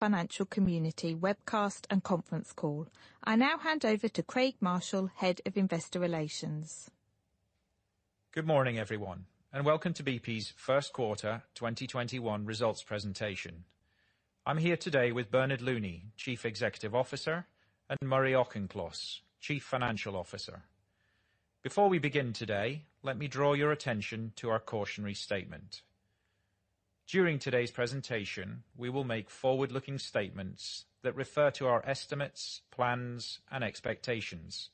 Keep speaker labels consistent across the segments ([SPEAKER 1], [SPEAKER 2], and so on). [SPEAKER 1] Financial community webcast and conference call. I now hand over to Craig Marshall, Head of Investor Relations.
[SPEAKER 2] Good morning, everyone, and welcome to BP's first quarter 2021 results presentation. I'm here today with Bernard Looney, Chief Executive Officer, and Murray Auchincloss, Chief Financial Officer. Before we begin today, let me draw your attention to our cautionary statement. During today's presentation, we will make forward-looking statements that refer to our estimates, plans, and expectations.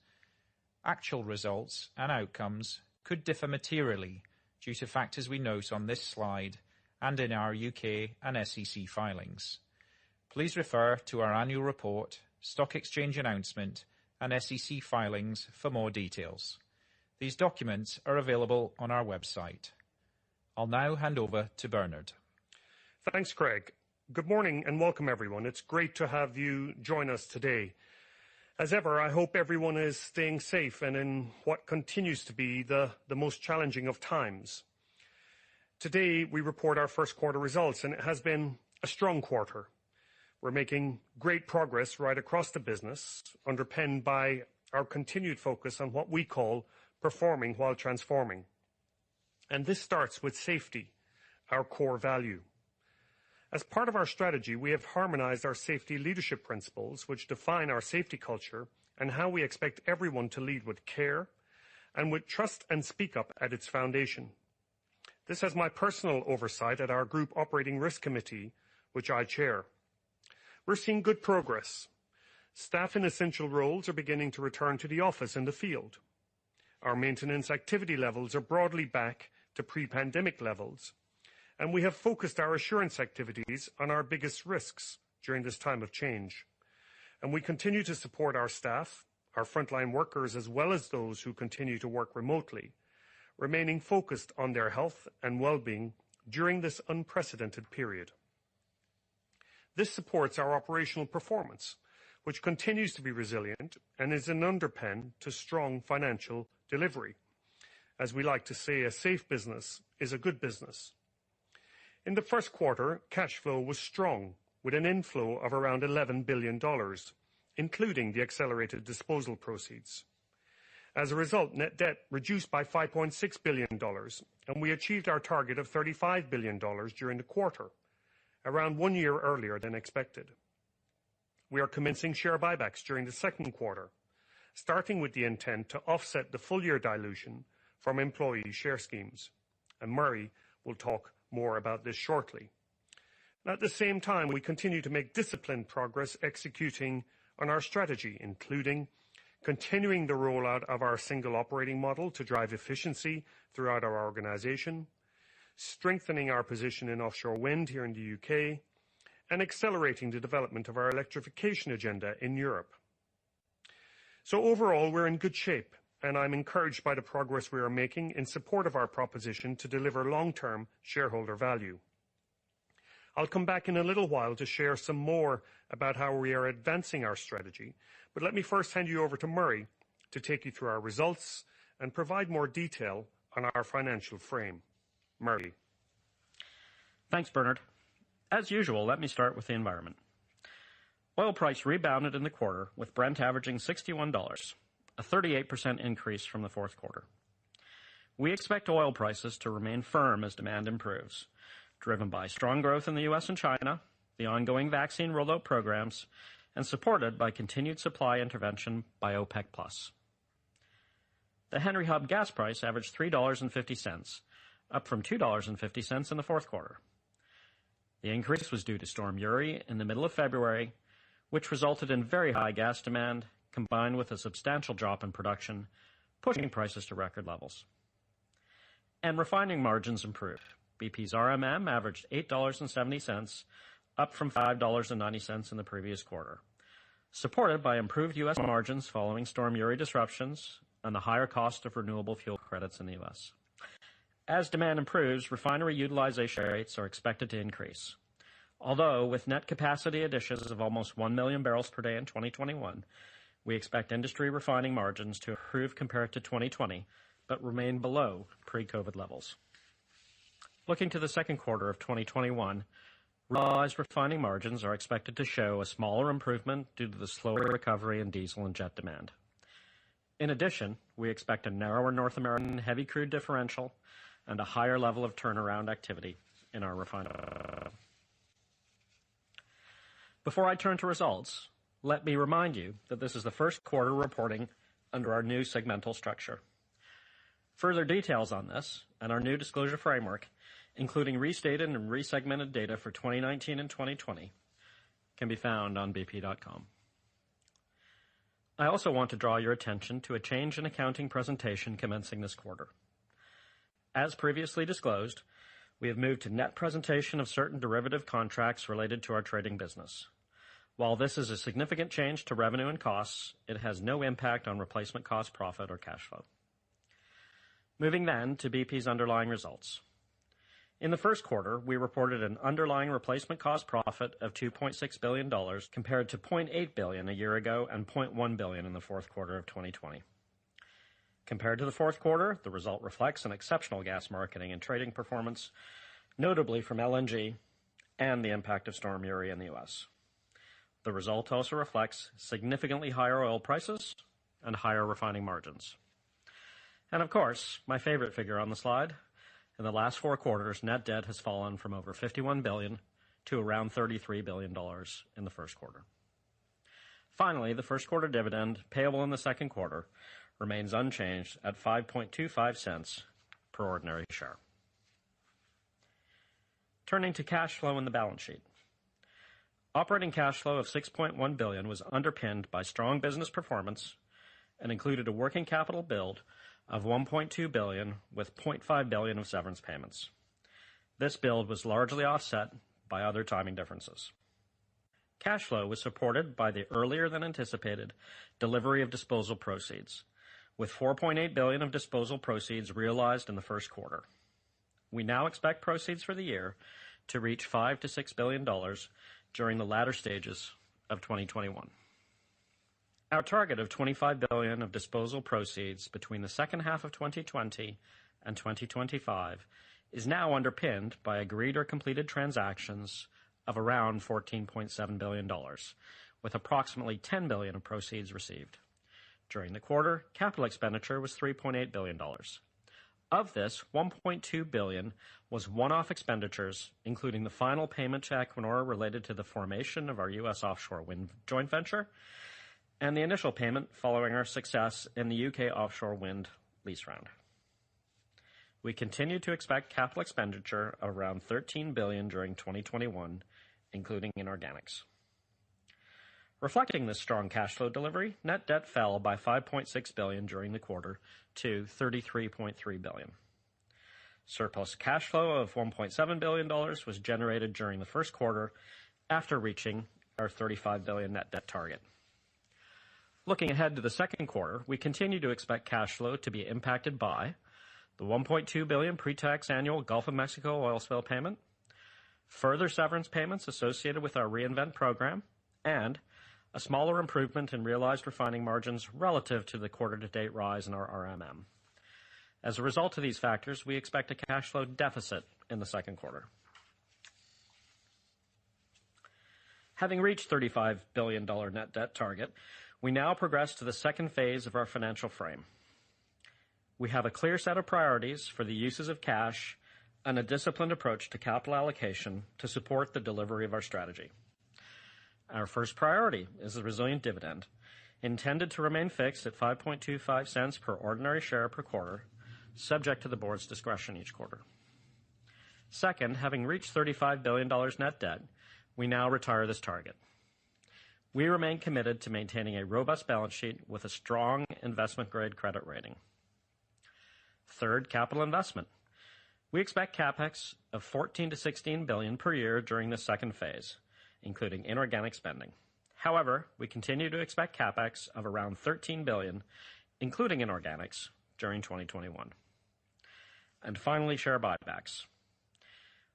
[SPEAKER 2] Actual results and outcomes could differ materially due to factors we note on this slide and in our U.K. and SEC filings. Please refer to our annual report, stock exchange announcement, and SEC filings for more details. These documents are available on our website. I'll now hand over to Bernard.
[SPEAKER 3] Thanks, Craig. Good morning and welcome, everyone. It's great to have you join us today. As ever, I hope everyone is staying safe and in what continues to be the most challenging of times. Today, we report our first quarter results, and it has been a strong quarter. We're making great progress right across the business, underpinned by our continued focus on what we call performing while transforming. This starts with safety, our core value. As part of our strategy, we have harmonized our safety leadership principles, which define our safety culture and how we expect everyone to lead with care and with trust and speak up at its foundation. This has my personal oversight at our group operating risk committee, which I chair. We're seeing good progress. Staff in essential roles are beginning to return to the office in the field. Our maintenance activity levels are broadly back to pre-pandemic levels, and we have focused our assurance activities on our biggest risks during this time of change. We continue to support our staff, our frontline workers, as well as those who continue to work remotely, remaining focused on their health and well-being during this unprecedented period. This supports our operational performance, which continues to be resilient and is an underpin to strong financial delivery. As we like to say, a safe business is a good business. In the first quarter, cash flow was strong, with an inflow of around $11 billion, including the accelerated disposal proceeds. As a result, net debt reduced by $5.6 billion, and we achieved our target of $35 billion during the quarter, around one year earlier than expected. We are commencing share buybacks during the second quarter, starting with the intent to offset the full-year dilution from employee share schemes. Murray will talk more about this shortly. At the same time, we continue to make disciplined progress executing on our strategy, including continuing the rollout of our single operating model to drive efficiency throughout our organization, strengthening our position in offshore wind here in the U.K., and accelerating the development of our electrification agenda in Europe. Overall, we're in good shape, and I'm encouraged by the progress we are making in support of our proposition to deliver long-term shareholder value. I'll come back in a little while to share some more about how we are advancing our strategy. Let me first hand you over to Murray to take you through our results and provide more detail on our financial frame. Murray.
[SPEAKER 4] Thanks, Bernard. As usual, let me start with the environment. Oil price rebounded in the quarter, with Brent averaging $61, a 38% increase from the fourth quarter. We expect oil prices to remain firm as demand improves, driven by strong growth in the U.S. and China, the ongoing vaccine rollout programs, supported by continued supply intervention by OPEC+. The Henry Hub gas price averaged $3.50, up from $2.50 in the fourth quarter. The increase was due to storm Uri in the middle of February, which resulted in very high gas demand, combined with a substantial drop in production, pushing prices to record levels. Refining margins improved. BP's RMM averaged $8.70, up from $5.90 in the previous quarter, supported by improved U.S. margins following storm Uri disruptions and a higher cost of renewable fuel credits in the U.S. As demand improves, refinery utilization rates are expected to increase. Although with net capacity additions of almost 1 million bbl per day in 2021, we expect industry refining margins to improve compared to 2020 but remain below pre-COVID levels. Looking to the second quarter of 2021, realized refining margins are expected to show a smaller improvement due to the slower recovery in diesel and jet demand. In addition, we expect a narrower North America heavy crude differential and a higher level of turnaround activity in our. Before I turn to results, let me remind you that this is the first quarter reporting under our new segmental structure. Further details on this and our new disclosure framework, including restated and resegmented data for 2019 and 2020, can be found on bp.com. I also want to draw your attention to a change in accounting presentation commencing this quarter. As previously disclosed, we have moved to net presentation of certain derivative contracts related to our trading business. While this is a significant change to revenue and costs, it has no impact on replacement cost, profit, or cash flow. Moving to BP's underlying results. In the first quarter, we reported an underlying replacement cost profit of $2.6 billion compared to $0.8 billion a year ago and $0.1 billion in the fourth quarter of 2020. Compared to the fourth quarter, the result reflects an exceptional gas marketing and trading performance, notably from LNG and the impact of storm Uri in the U.S. The result also reflects significantly higher oil prices and higher refining margins. Of course, my favorite figure on the slide, in the last four quarters, net debt has fallen from over $51 billion to around $33 billion in the first quarter. Finally, the first quarter dividend payable in the second quarter remains unchanged at $0.0525 per ordinary share. Turning to cash flow and the balance sheet. Operating cash flow of $6.1 billion was underpinned by strong business performance and included a working capital build of $1.2 billion with $0.5 billion of severance payments. This build was largely offset by other timing differences. Cash flow was supported by the earlier-than-anticipated delivery of disposal proceeds, with $4.8 billion of disposal proceeds realized in the first quarter. We now expect proceeds for the year to reach $5 billion-$6 billion during the latter stages of 2021. Our target of $25 billion of disposal proceeds between the second half of 2020 and 2025 is now underpinned by agreed or completed transactions of around $14.7 billion, with approximately $10 billion of proceeds received. During the quarter, capital expenditure was $3.8 billion. Of this, $1.2 billion was one-off expenditures, including the final payment to Equinor related to the formation of our U.S. offshore wind joint venture and the initial payment following our success in the U.K. offshore wind lease round. We continue to expect capital expenditure around $13 billion during 2021, including inorganics. Reflecting this strong cash flow delivery, net debt fell by $5.6 billion during the quarter to $33.3 billion. Surplus cash flow of $1.7 billion was generated during the first quarter after reaching our $35 billion net debt target. Looking ahead to the second quarter, we continue to expect cash flow to be impacted by the $1.2 billion pre-tax annual Gulf of Mexico oil spill payment, further severance payments associated with our Reinvent program, and a smaller improvement in realized refining margins relative to the quarter-to-date rise in our RMM. As a result of these factors, we expect a cash flow deficit in the second quarter. Having reached $35 billion net debt target, we now progress to the second phase of our financial frame. We have a clear set of priorities for the uses of cash and a disciplined approach to capital allocation to support the delivery of our strategy. Our first priority is the resilient dividend, intended to remain fixed at $0.0525 per ordinary share per quarter, subject to the board's discretion each quarter. Second, having reached $35 billion net debt, we now retire this target. We remain committed to maintaining a robust balance sheet with a strong investment-grade credit rating. Third, capital investment. We expect CapEx of $14 billion-$16 billion per year during the second phase, including inorganic spending. However, we continue to expect CapEx of around $13 billion, including inorganics, during 2021. Finally, share buybacks.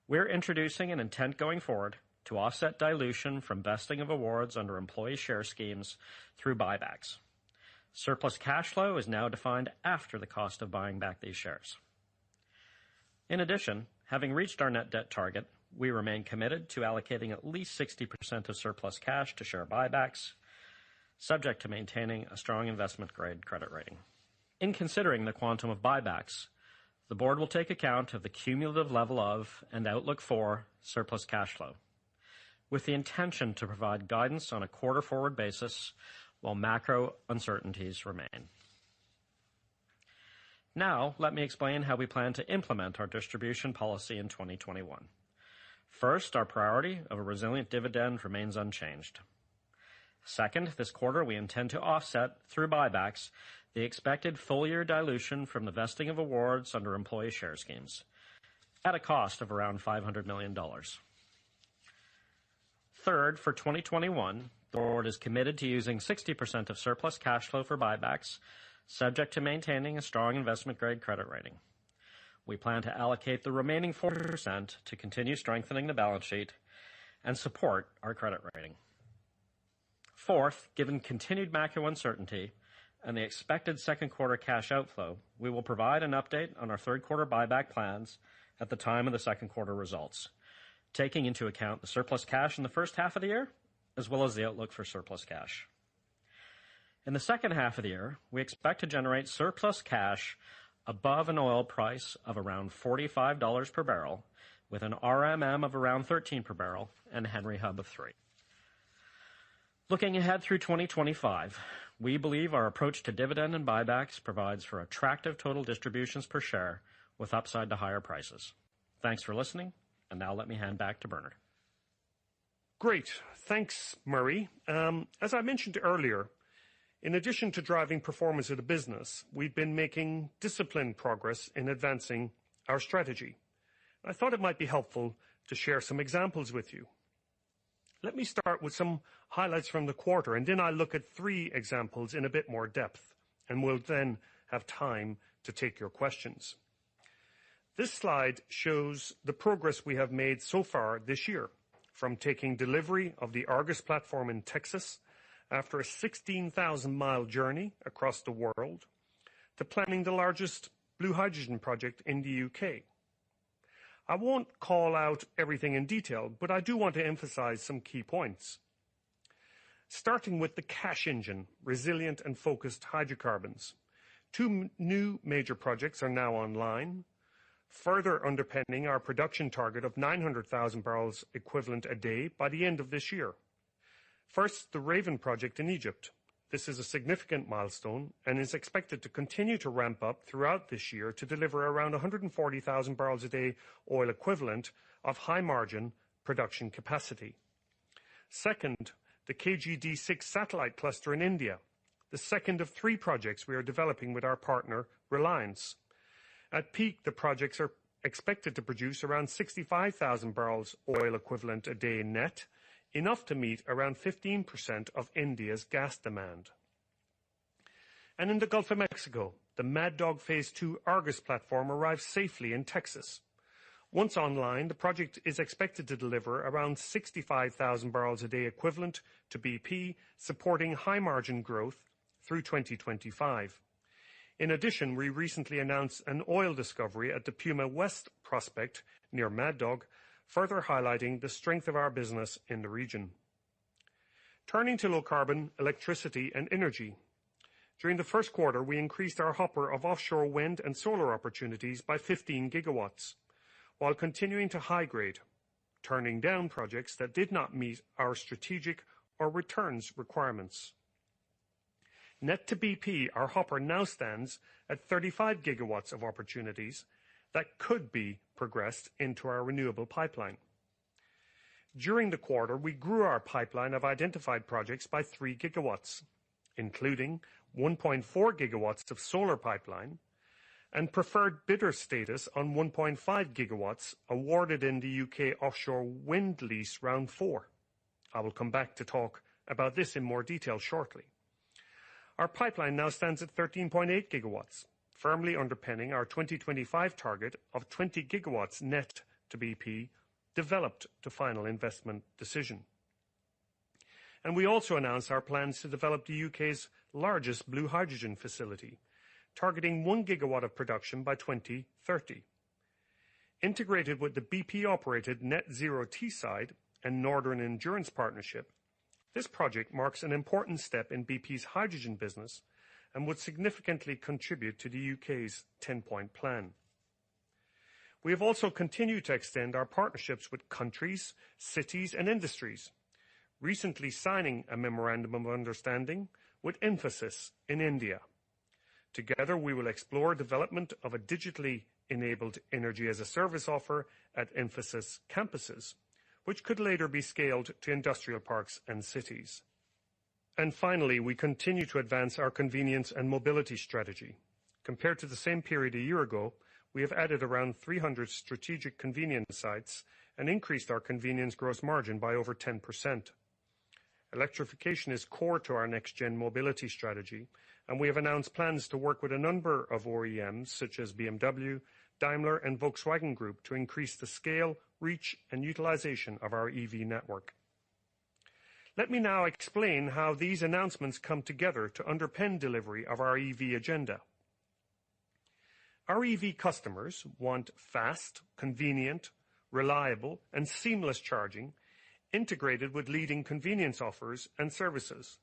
[SPEAKER 4] We're introducing an intent going forward to offset dilution from vesting of awards under employee share schemes through buybacks. Surplus cash flow is now defined after the cost of buying back these shares. In addition, having reached our net debt target, we remain committed to allocating at least 60% of surplus cash to share buybacks, subject to maintaining a strong investment-grade credit rating. In considering the quantum of buybacks, the board will take account of the cumulative level of and outlook for surplus cash flow, with the intention to provide guidance on a quarter forward basis while macro uncertainties remain. Let me explain how we plan to implement our distribution policy in 2021. First, our priority of a resilient dividend remains unchanged. Second, this quarter we intend to offset through buybacks the expected full-year dilution from the vesting of awards under employee share schemes at a cost of around $500 million. Third, for 2021, the board is committed to using 60% of surplus cash flow for buybacks, subject to maintaining a strong investment-grade credit rating. We plan to allocate the remaining 40% to continue strengthening the balance sheet and support our credit rating. Fourth, given continued macro uncertainty and the expected second quarter cash outflow, we will provide an update on our third quarter buyback plans at the time of the second quarter results, taking into account the surplus cash in the first half of the year, as well as the outlook for surplus cash. In the second half of the year, we expect to generate surplus cash above an oil price of around $45 per barrel with an RMM of around $13 per barrel and a Henry Hub of $3. Looking ahead through 2025, we believe our approach to dividend and buybacks provides for attractive total distributions per share with upside to higher prices. Thanks for listening. Now let me hand back to Bernard.
[SPEAKER 3] Great. Thanks, Murray. As I mentioned earlier, in addition to driving performance of the business, we've been making disciplined progress in advancing our strategy. I thought it might be helpful to share some examples with you. Let me start with some highlights from the quarter. Then I'll look at three examples in a bit more depth. We'll then have time to take your questions. This slide shows the progress we have made so far this year, from taking delivery of the Argos platform in Texas after a 16,000-mile journey across the world, to planning the largest blue hydrogen project in the U.K. I won't call out everything in detail. I do want to emphasize some key points. Starting with the cash engine, resilient and focused hydrocarbons. Two new major projects are now online, further underpinning our production target of 900,000 bbl equivalent a day by the end of this year. First, the Raven project in Egypt. This is a significant milestone and is expected to continue to ramp up throughout this year to deliver around 140,000 bbl a day oil equivalent of high-margin production capacity. Second, the KG-D6 Satellite cluster in India, the second of three projects we are developing with our partner, Reliance. At peak, the projects are expected to produce around 65,000 bbl oil equivalent a day net, enough to meet around 15% of India's gas demand. In the Gulf of Mexico, the Mad Dog Phase 2 Argos platform arrived safely in Texas. Once online, the project is expected to deliver around 65,000 bbl a day equivalent to BP, supporting high-margin growth through 2025. In addition, we recently announced an oil discovery at the Puma West prospect near Mad Dog, further highlighting the strength of our business in the region. Turning to low carbon, electricity, and energy. During the first quarter, we increased our hopper of offshore wind and solar opportunities by 15 GW while continuing to high grade, turning down projects that did not meet our strategic or returns requirements. Net to BP, our hopper now stands at 35 GW of opportunities that could be progressed into our renewable pipeline. During the quarter, we grew our pipeline of identified projects by 3 GW, including 1.4 GW of solar pipeline and preferred bidder status on 1.5 GW awarded in the U.K. Offshore Wind Lease Round 4. I will come back to talk about this in more detail shortly. Our pipeline now stands at 13.8 GW, firmly underpinning our 2025 target of 20 GW net to BP developed to final investment decision. We also announced our plans to develop the U.K.'s largest blue hydrogen facility, targeting 1 GW of production by 2030. Integrated with the BP-operated Net Zero Teesside and Northern Endurance Partnership, this project marks an important step in BP's hydrogen business and would significantly contribute to the U.K.'s Ten Point Plan. We have also continued to extend our partnerships with countries, cities, and industries, recently signing a memorandum of understanding with Infosys in India. Together, we will explore development of a digitally enabled energy-as-a-service offer at Infosys campuses, which could later be scaled to industrial parks and cities. Finally, we continue to advance our convenience and mobility strategy. Compared to the same period a year ago, we have added around 300 strategic convenience sites and increased our convenience gross margin by over 10%. Electrification is core to our next-gen mobility strategy, we have announced plans to work with a number of OEMs such as BMW, Daimler, and Volkswagen Group to increase the scale, reach, and utilization of our EV network. Let me now explain how these announcements come together to underpin delivery of our EV agenda. Our EV customers want fast, convenient, reliable, and seamless charging integrated with leading convenience offers and services.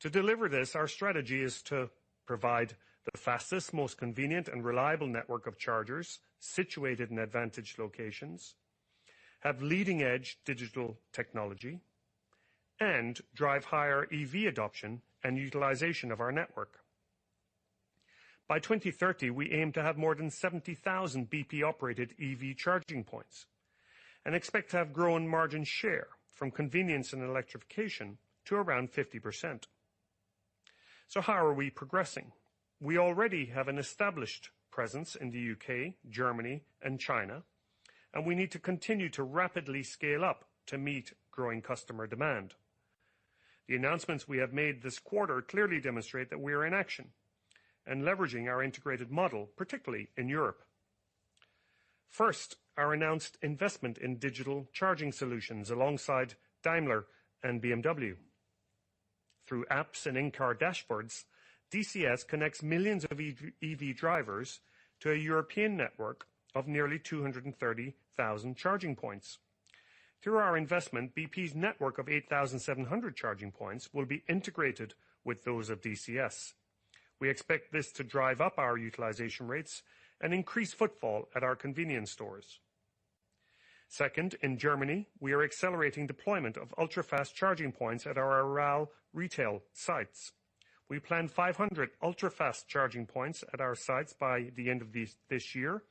[SPEAKER 3] To deliver this, our strategy is to provide the fastest, most convenient, and reliable network of chargers situated in advantage locations, have leading-edge digital technology, and drive higher EV adoption and utilization of our network. By 2030, we aim to have more than 70,000 BP-operated EV charging points and expect to have grown margin share from convenience and electrification to around 50%. How are we progressing? We already have an established presence in the U.K., Germany, and China, and we need to continue to rapidly scale up to meet growing customer demand. The announcements we have made this quarter clearly demonstrate that we are in action and leveraging our integrated model, particularly in Europe. First, our announced investment in Digital Charging Solutions alongside Daimler and BMW. Through apps and in-car dashboards, DCS connects millions of EV drivers to a European network of nearly 230,000 charging points. Through our investment, BP's network of 8,700 charging points will be integrated with those of DCS. We expect this to drive up our utilization rates and increase footfall at our convenience stores. In Germany, we are accelerating deployment of ultra-fast charging points at our Aral retail sites. We plan 500 ultra-fast charging points at our sites by the end of this year.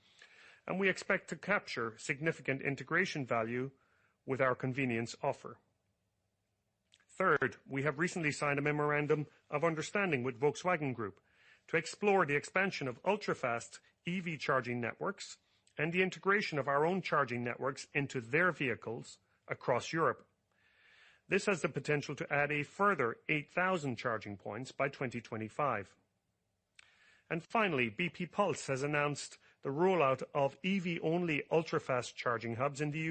[SPEAKER 3] We expect to capture significant integration value with our convenience offer. We have recently signed a memorandum of understanding with Volkswagen Group to explore the expansion of ultra-fast EV charging networks and the integration of our own charging networks into their vehicles across Europe. This has the potential to add a further 8,000 charging points by 2025. Finally, bp pulse has announced the rollout of EV-only ultra-fast charging hubs in the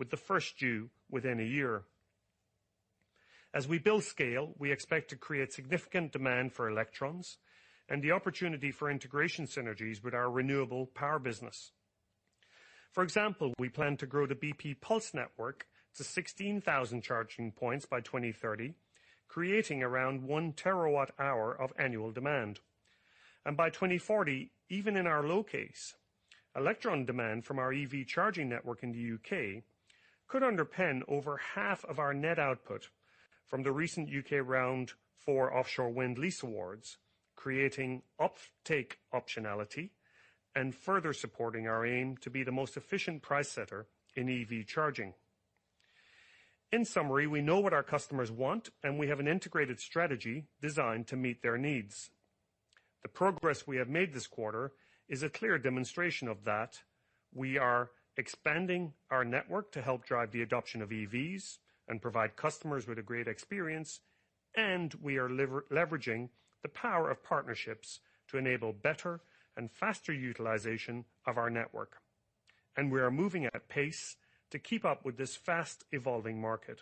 [SPEAKER 3] U.K., with the first due within a year. As we build scale, we expect to create significant demand for electrons and the opportunity for integration synergies with our renewable power business. For example, we plan to grow the bp pulse network to 16,000 charging points by 2030, creating around 1 TWh of annual demand. By 2040, even in our low case, electron demand from our EV charging network in the U.K. could underpin over half of our net output from the recent U.K. Round 4 offshore wind lease awards, creating offtake optionality and further supporting our aim to be the most efficient price setter in EV charging. In summary, we know what our customers want, and we have an integrated strategy designed to meet their needs. The progress we have made this quarter is a clear demonstration of that. We are expanding our network to help drive the adoption of EVs and provide customers with a great experience, and we are leveraging the power of partnerships to enable better and faster utilization of our network. We are moving at pace to keep up with this fast-evolving market.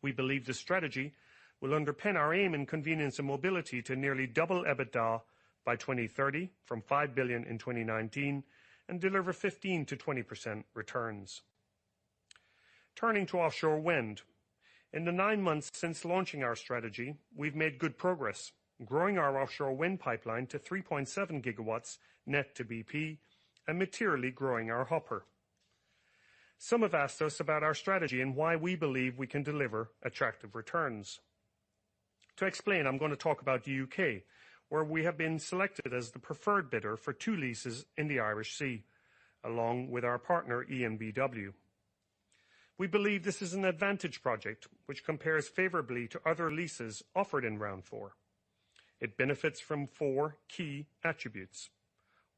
[SPEAKER 3] We believe this strategy will underpin our aim in convenience and mobility to nearly double EBITDA by 2030 from $5 billion in 2019 and deliver 15%-20% returns. Turning to offshore wind. In the nine months since launching our strategy, we've made good progress growing our offshore wind pipeline to 3.7 GW net to BP and materially growing our hopper. Some have asked us about our strategy and why we believe we can deliver attractive returns. To explain, I'm going to talk about the U.K., where we have been selected as the preferred bidder for two leases in the Irish Sea, along with our partner EnBW. We believe this is an advantage project which compares favorably to other leases offered in Round 4. It benefits from four key attributes.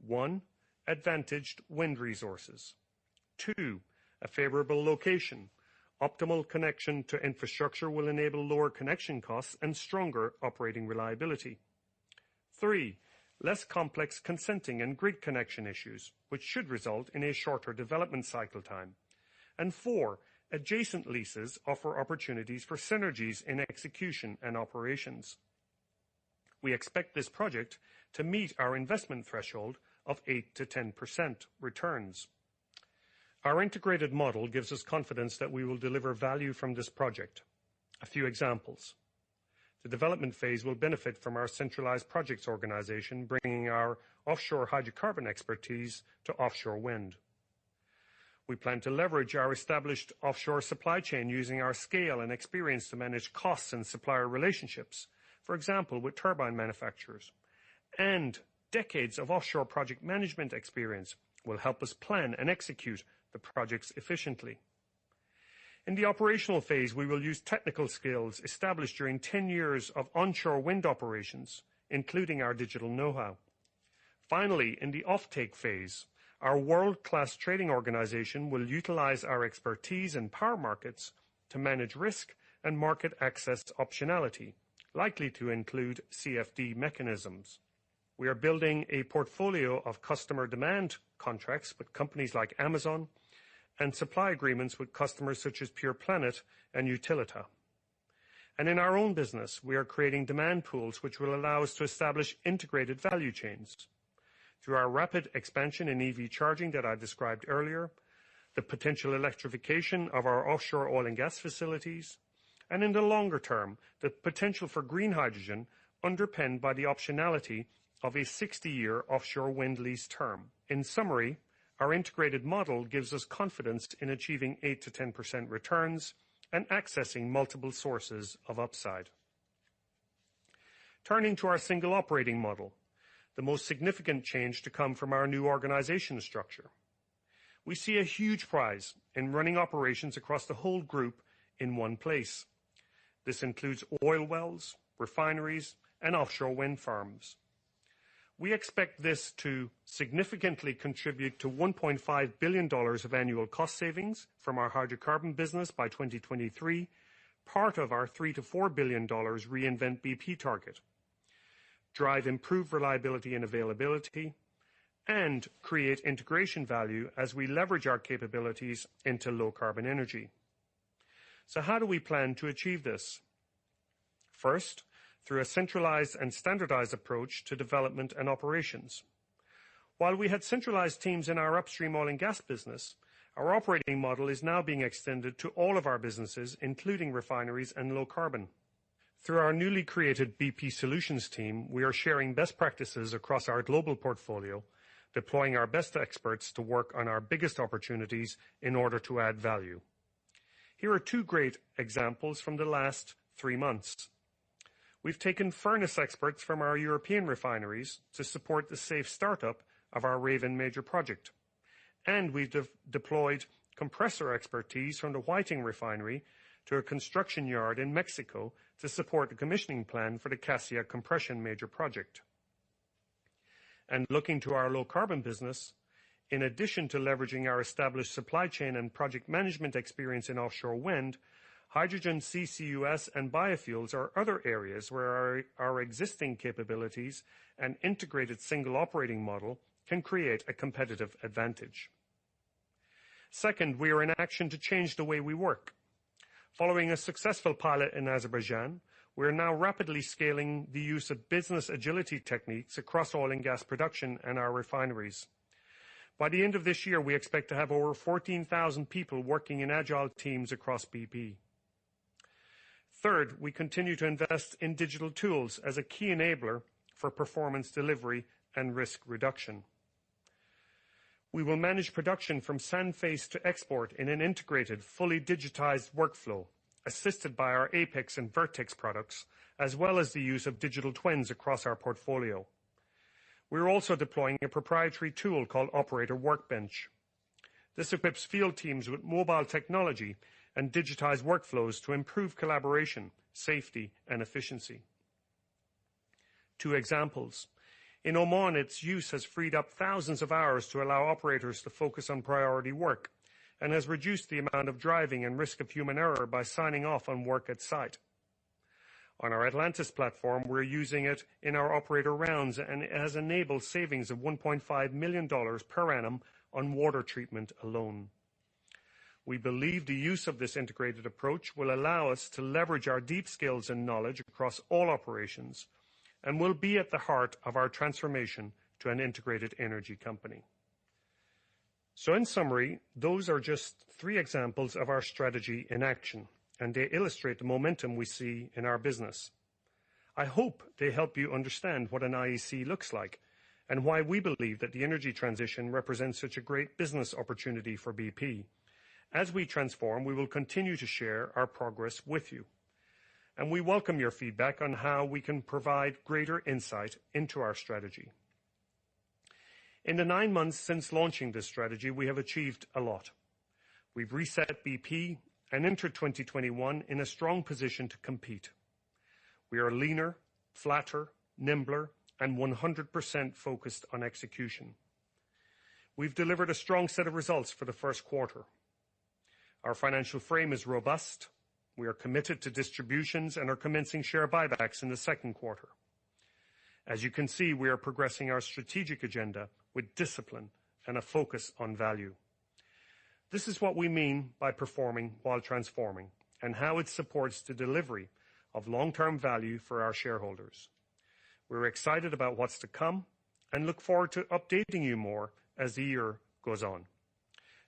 [SPEAKER 3] One, advantaged wind resources. Two, a favorable location. Optimal connection to infrastructure will enable lower connection costs and stronger operating reliability. Three, less complex consenting and grid connection issues, which should result in a shorter development cycle time. Four, adjacent leases offer opportunities for synergies in execution and operations. We expect this project to meet our investment threshold of 8%-10% returns. Our integrated model gives us confidence that we will deliver value from this project. A few examples. The development phase will benefit from our centralized projects organization, bringing our offshore hydrocarbon expertise to offshore wind. We plan to leverage our established offshore supply chain using our scale and experience to manage costs and supplier relationships, for example, with turbine manufacturers. Decades of offshore project management experience will help us plan and execute the projects efficiently. In the operational phase, we will use technical skills established during 10 years of onshore wind operations, including our digital know-how. Finally, in the offtake phase, our world-class trading organization will utilize our expertise in power markets to manage risk and market access optionality, likely to include CfD mechanisms. We are building a portfolio of customer demand contracts with companies like Amazon and supply agreements with customers such as Pure Planet and Utilita. In our own business, we are creating demand pools, which will allow us to establish integrated value chains through our rapid expansion in EV charging that I described earlier, the potential electrification of our offshore oil and gas facilities, and in the longer term, the potential for green hydrogen underpinned by the optionality of a 60-year offshore wind lease term. In summary, our integrated model gives us confidence in achieving 8%-10% returns and accessing multiple sources of upside. Turning to our single operating model, the most significant change to come from our new organization structure. We see a huge prize in running operations across the whole group in one place. This includes oil wells, refineries, and offshore wind farms. We expect this to significantly contribute to $1.5 billion of annual cost savings from our hydrocarbon business by 2023, part of our $3 billion-$4 billion Reinvent BP target, drive improved reliability and availability, and create integration value as we leverage our capabilities into low carbon energy. How do we plan to achieve this? First, through a centralized and standardized approach to development and operations. While we had centralized teams in our upstream oil and gas business, our operating model is now being extended to all of our businesses, including refineries and low carbon. Through our newly created BP Solutions team, we are sharing best practices across our global portfolio, deploying our best experts to work on our biggest opportunities in order to add value. Here are two great examples from the last three months. We've taken furnace experts from our European refineries to support the safe startup of our Raven major project, and we've deployed compressor expertise from the Whiting Refinery to a construction yard in Mexico to support the commissioning plan for the Cassia Compression major project. Looking to our low-carbon business, in addition to leveraging our established supply chain and project management experience in offshore wind, hydrogen, CCUS, and biofuels are other areas where our existing capabilities and integrated single operating model can create a competitive advantage. Second, we are in action to change the way we work. Following a successful pilot in Azerbaijan, we are now rapidly scaling the use of business agility techniques across oil and gas production in our refineries. By the end of this year, we expect to have over 14,000 people working in agile teams across BP. Third, we continue to invest in digital tools as a key enabler for performance delivery and risk reduction. We will manage production from sand face to export in an integrated, fully digitized workflow, assisted by our APEX and VERTEX products, as well as the use of digital twins across our portfolio. We are also deploying a proprietary tool called Operator Workbench. This equips field teams with mobile technology and digitized workflows to improve collaboration, safety, and efficiency. Two examples. In Oman, its use has freed up thousands of hours to allow operators to focus on priority work and has reduced the amount of driving and risk of human error by signing off on work at site. On our Atlantis platform, we are using it in our operator rounds, and it has enabled savings of $1.5 million per annum on water treatment alone. We believe the use of this integrated approach will allow us to leverage our deep skills and knowledge across all operations and will be at the heart of our transformation to an integrated energy company. In summary, those are just three examples of our strategy in action, and they illustrate the momentum we see in our business. I hope they help you understand what an IEC looks like and why we believe that the energy transition represents such a great business opportunity for BP. As we transform, we will continue to share our progress with you, and we welcome your feedback on how we can provide greater insight into our strategy. In the nine months since launching this strategy, we have achieved a lot. We've reset BP and entered 2021 in a strong position to compete. We are leaner, flatter, nimbler, and 100% focused on execution. We've delivered a strong set of results for the first quarter. Our financial frame is robust. We are committed to distributions and are commencing share buybacks in the second quarter. As you can see, we are progressing our strategic agenda with discipline and a focus on value. This is what we mean by performing while transforming and how it supports the delivery of long-term value for our shareholders. We're excited about what's to come and look forward to updating you more as the year goes on.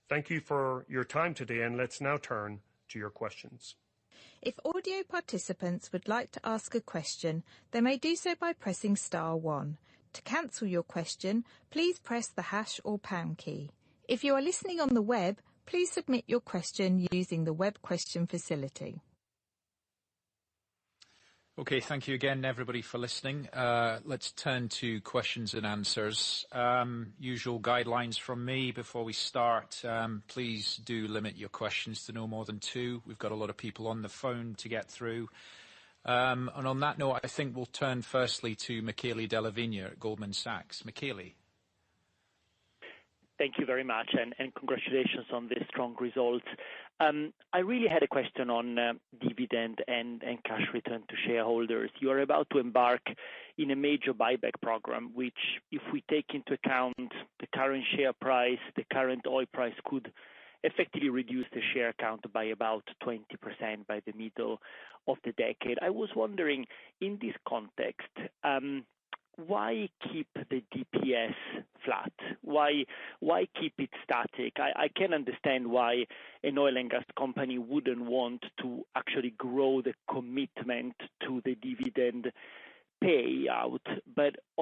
[SPEAKER 3] Thank you for your time today, and let's now turn to your questions.
[SPEAKER 1] If audio participants would like to ask a question, they may do so by pressing star one. To cancel your question, please press the hash or pound key. If you are listening on the web, please submit your question using the web question facility.
[SPEAKER 2] Okay, thank you again, everybody, for listening. Let's turn to questions and answers. Usual guidelines from me before we start. Please do limit your questions to no more than two. We've got a lot of people on the phone to get through. On that note, I think we'll turn firstly to Michele Della Vigna at Goldman Sachs. Michele?
[SPEAKER 5] Thank you very much. Congratulations on the strong result. I really had a question on dividend and cash return to shareholders. You are about to embark on a major buyback program, which, if we take into account the current share price, the current oil price could effectively reduce the share count by about 20% by the middle of the decade. I was wondering, in this context, why keep the DPS flat? Why keep it static? I can understand why an oil and gas company wouldn't want to actually grow the commitment to the dividend payout.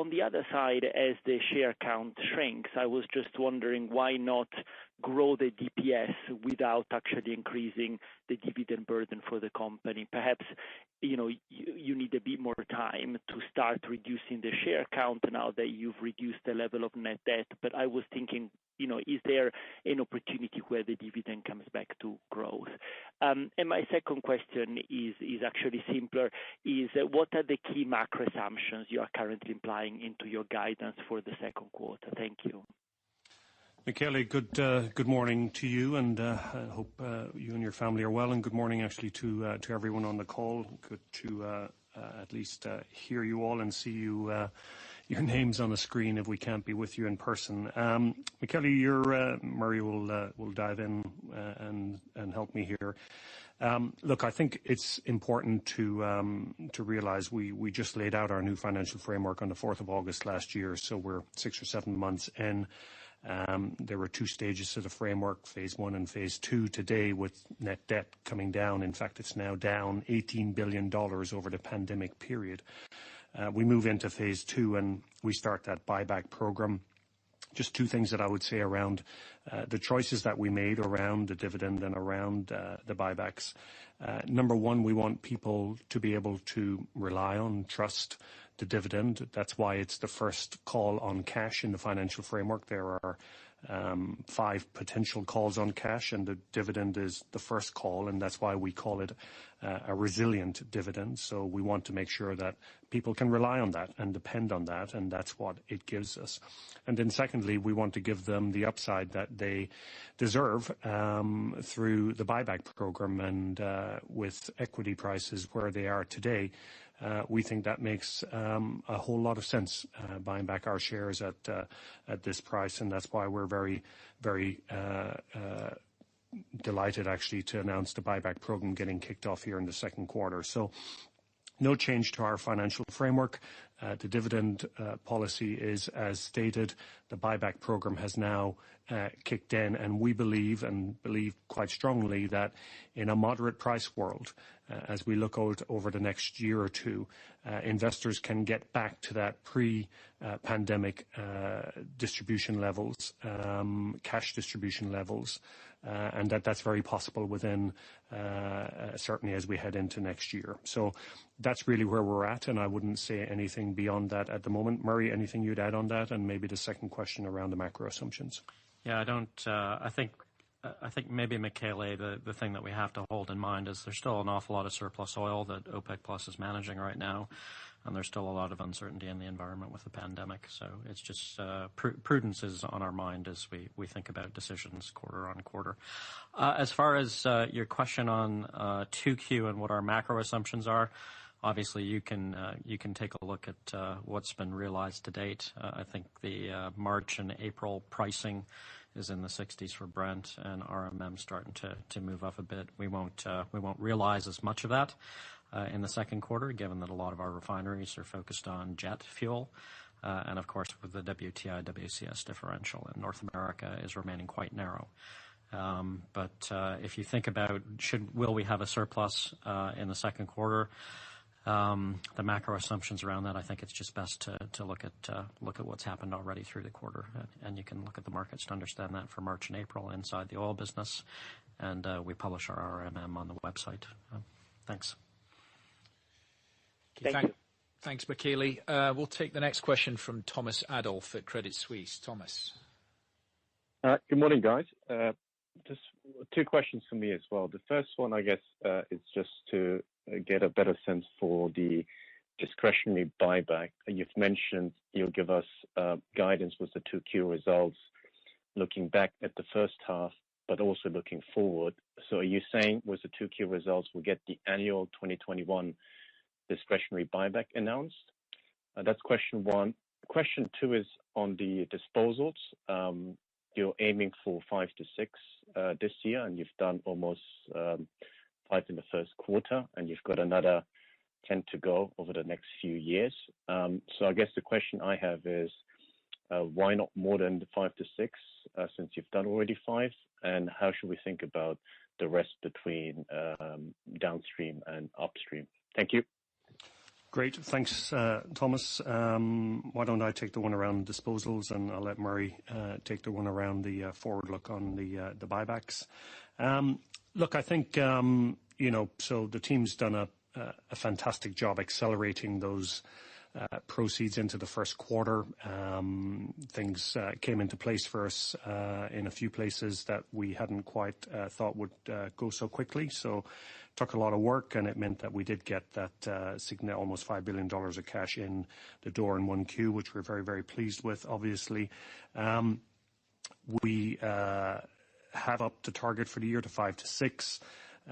[SPEAKER 5] On the other side, as the share count shrinks, I was just wondering why not grow the DPS without actually increasing the dividend burden for the company. Perhaps you need a bit more time to start reducing the share count now that you've reduced the level of net debt. I was thinking, is there an opportunity where the dividend comes back to growth? My second question is actually simpler, what are the key macro assumptions you are currently implying into your guidance for the second quarter? Thank you.
[SPEAKER 3] Michele, good morning to you. I hope you and your family are well. Good morning, actually, to everyone on the call. Good to at least hear you all and see your names on the screen if we can't be with you in person. Michele, Murray will dive in and help me here. Look, I think it's important to realize we just laid out our new financial framework on the 4th of August last year, so we're six or seven months in. There were two stages to the framework, phase I and phase II. Today, with net debt coming down, in fact, it's now down $18 billion over the pandemic period. We move into phase II. We start that buyback program. Just two things that I would say around the choices that we made around the dividend and around the buybacks. Number one, we want people to be able to rely on, trust the dividend. That's why it's the first call on cash in the financial framework. There are five potential calls on cash, and the dividend is the first call, and that's why we call it a resilient dividend. We want to make sure that people can rely on that and depend on that, and that's what it gives us. Secondly, we want to give them the upside that they deserve through the buyback program. With equity prices where they are today, we think that makes a whole lot of sense, buying back our shares at this price. That's why we're very delighted actually to announce the buyback program getting kicked off here in the second quarter. No change to our financial framework. The dividend policy is as stated, the buyback program has now kicked in. We believe, and believe quite strongly, that in a moderate price world, as we look out over the next year or two, investors can get back to that pre-pandemic distribution levels, cash distribution levels. That that's very possible within certainly as we head into next year. That's really where we're at, and I wouldn't say anything beyond that at the moment. Murray, anything you'd add on that? Maybe the second question around the macro assumptions.
[SPEAKER 4] Yeah. I think maybe Michele, the thing that we have to hold in mind is there's still an awful lot of surplus oil that OPEC+ is managing right now, and there's still a lot of uncertainty in the environment with the pandemic. Prudence is on our mind as we think about decisions quarter on quarter. As far as your question on 2Q and what our macro assumptions are, obviously you can take a look at what's been realized to date. I think the March and April pricing is in the $60s for Brent, and RMM's starting to move up a bit. We won't realize as much of that in the second quarter, given that a lot of our refineries are focused on jet fuel. Of course with the WTI-WCS differential in North America is remaining quite narrow. If you think about will we have a surplus in the second quarter? The macro assumptions around that, I think it's just best to look at what's happened already through the quarter. You can look at the markets to understand that for March and April inside the oil business, and we publish our RMM on the website. Thanks.
[SPEAKER 5] Thank you.
[SPEAKER 2] Thanks, Michele. We'll take the next question from Thomas Adolff at Credit Suisse. Thomas.
[SPEAKER 6] Good morning, guys. Just two questions from me as well. The first one, I guess, is just to get a better sense for the discretionary buyback. You've mentioned you'll give us guidance with the 2Q results, looking back at the first half, but also looking forward. Are you saying with the 2Q results, we'll get the annual 2021 discretionary buyback announced? That's question one. Question two is on the disposals. You're aiming for $5 billion-$6 billion this year, and you've done almost $5 billion in the first quarter, and you've got another $10 billion to go over the next few years. I guess the question I have is why not more than the $5 billion-$6 billion, since you've done already $5 billion? How should we think about the rest between downstream and upstream? Thank you.
[SPEAKER 3] Great. Thanks, Thomas. Why don't I take the one around disposals and I'll let Murray take the one around the forward look on the buybacks. Look, I think the team's done a fantastic job accelerating those proceeds into the first quarter. Things came into place for us in a few places that we hadn't quite thought would go so quickly. Took a lot of work, and it meant that we did get that significant almost $5 billion of cash in the door in 1Q, which we're very pleased with, obviously. We have upped the target for the year to $5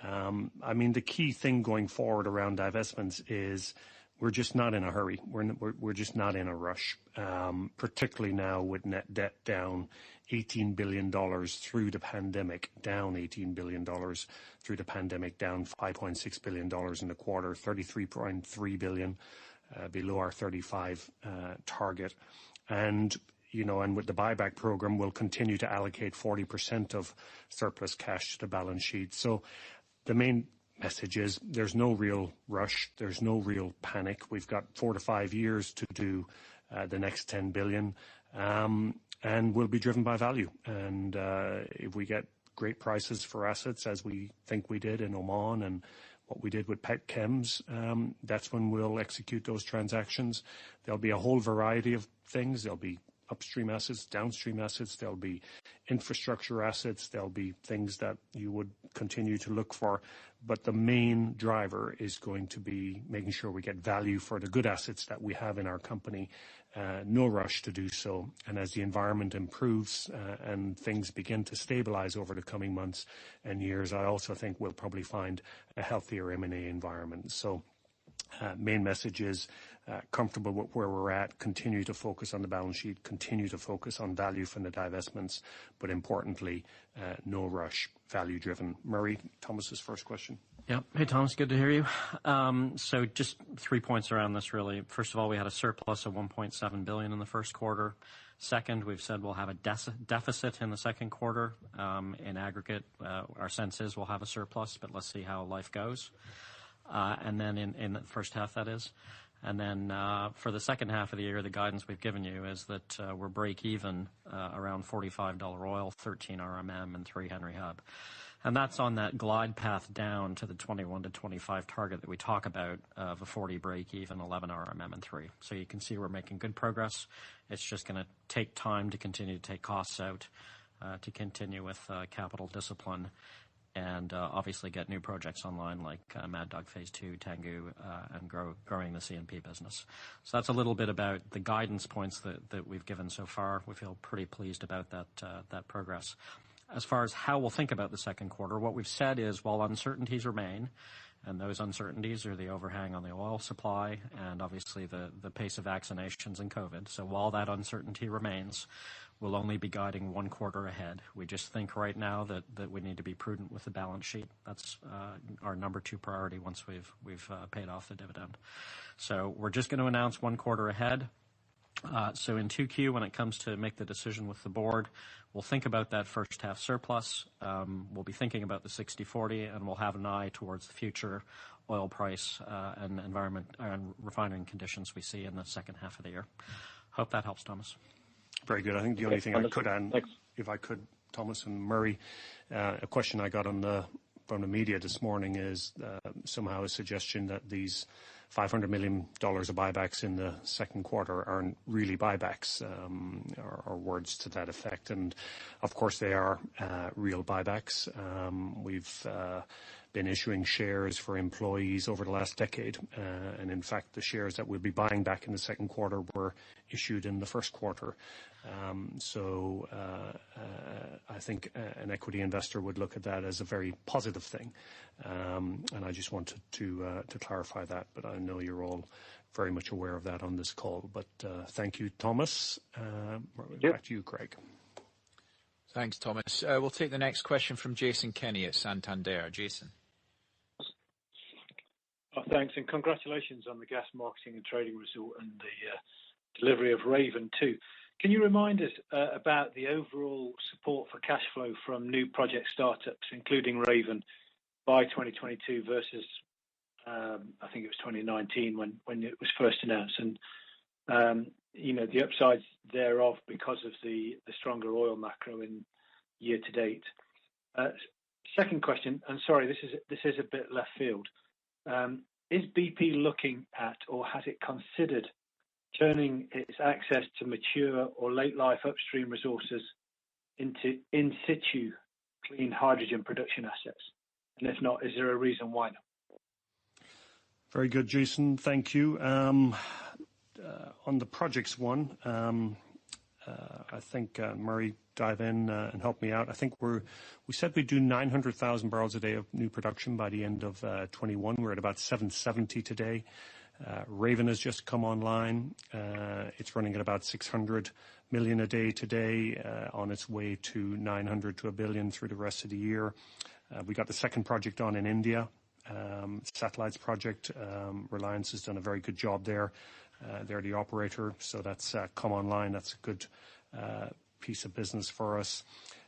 [SPEAKER 3] billion-$6 billion. The key thing going forward around divestments is we're just not in a hurry. We're just not in a rush. Particularly now with net debt down $18 billion through the pandemic. Down $18 billion through the pandemic, down $5.6 billion in the quarter. $33.3 billion below our $35 billion target. With the buyback program, we'll continue to allocate 40% of surplus cash to balance sheet. The main message is there's no real rush, there's no real panic. We've got four to five years to do the next $10 billion, and we'll be driven by value. If we get great prices for assets, as we think we did in Oman and what we did with Petchems, that's when we'll execute those transactions. There'll be a whole variety of things. There'll be upstream assets, downstream assets. There'll be infrastructure assets. There'll be things that you would continue to look for. The main driver is going to be making sure we get value for the good assets that we have in our company. No rush to do so. As the environment improves and things begin to stabilize over the coming months and years, I also think we'll probably find a healthier M&A environment. Main message is, comfortable with where we're at, continue to focus on the balance sheet, continue to focus on value from the divestments, but importantly, no rush. Value-driven. Murray, Thomas' first question.
[SPEAKER 4] Hey, Thomas. Good to hear you. Just three points around this really. First of all, we had a surplus of $1.7 billion in the first quarter. Second, we've said we'll have a deficit in the second quarter. In aggregate, our sense is we'll have a surplus, let's see how life goes. In the first half, that is. For the second half of the year, the guidance we've given you is that we're break even around $45 oil, $13 RMM, and $3 Henry Hub. That's on that glide path down to the 2021 to 2025 target that we talk about of a $40 breakeven, $11 RMM, and $3. You can see we're making good progress. It's just going to take time to continue to take costs out, to continue with capital discipline, and obviously get new projects online, like Mad Dog Phase 2, Tangguh, and growing the C&P business. That's a little bit about the guidance points that we've given so far. We feel pretty pleased about that progress. As far as how we'll think about the second quarter, what we've said is while uncertainties remain, and those uncertainties are the overhang on the oil supply and obviously the pace of vaccinations and COVID. While that uncertainty remains, we'll only be guiding one quarter ahead. We just think right now that we need to be prudent with the balance sheet. That's our number two priority once we've paid off the dividend. We're just going to announce one quarter ahead. In 2Q, when it comes to make the decision with the board, we'll think about that first-half surplus. We'll be thinking about the 60/40, and we'll have an eye towards the future oil price, and the environment and refining conditions we see in the second half of the year. Hope that helps, Thomas.
[SPEAKER 3] Very good. I think the only thing I could add-
[SPEAKER 6] Thanks.
[SPEAKER 3] If I could, Thomas and Murray, a question I got from the media this morning is somehow a suggestion that these $500 million of buybacks in the second quarter aren't really buybacks, or words to that effect. Of course, they are real buybacks. We've been issuing shares for employees over the last decade. In fact, the shares that we'll be buying back in the second quarter were issued in the first quarter. I think an equity investor would look at that as a very positive thing. I just wanted to clarify that, but I know you're all very much aware of that on this call. Thank you, Thomas.
[SPEAKER 6] Yeah.
[SPEAKER 3] Back to you, Craig.
[SPEAKER 2] Thanks, Thomas. We'll take the next question from Jason Kenney at Santander. Jason.
[SPEAKER 7] Thanks. Congratulations on the gas marketing and trading result and the delivery of Raven 2. Can you remind us about the overall support for cash flow from new project startups, including Raven, by 2022 versus, I think it was 2019 when it was first announced? The upsides thereof because of the stronger oil macro in year to date. Second question, sorry, this is a bit left field. Is BP looking at or has it considered turning its access to mature or late life upstream resources into in-situ clean hydrogen production assets? If not, is there a reason why not?
[SPEAKER 3] Very good, Jason. Thank you. On the projects one, I think, Murray, dive in and help me out. I think we said we'd do 900,000 bbl a day of new production by the end of 2021. We're at about 770 today. Raven has just come online. It's running at about 600 million a day today, on its way to 900 to a billion through the rest of the year. We got the second project on in India. Satellites project. Reliance has done a very good job there. They're the operator. That's come online. That's a good piece of business for us.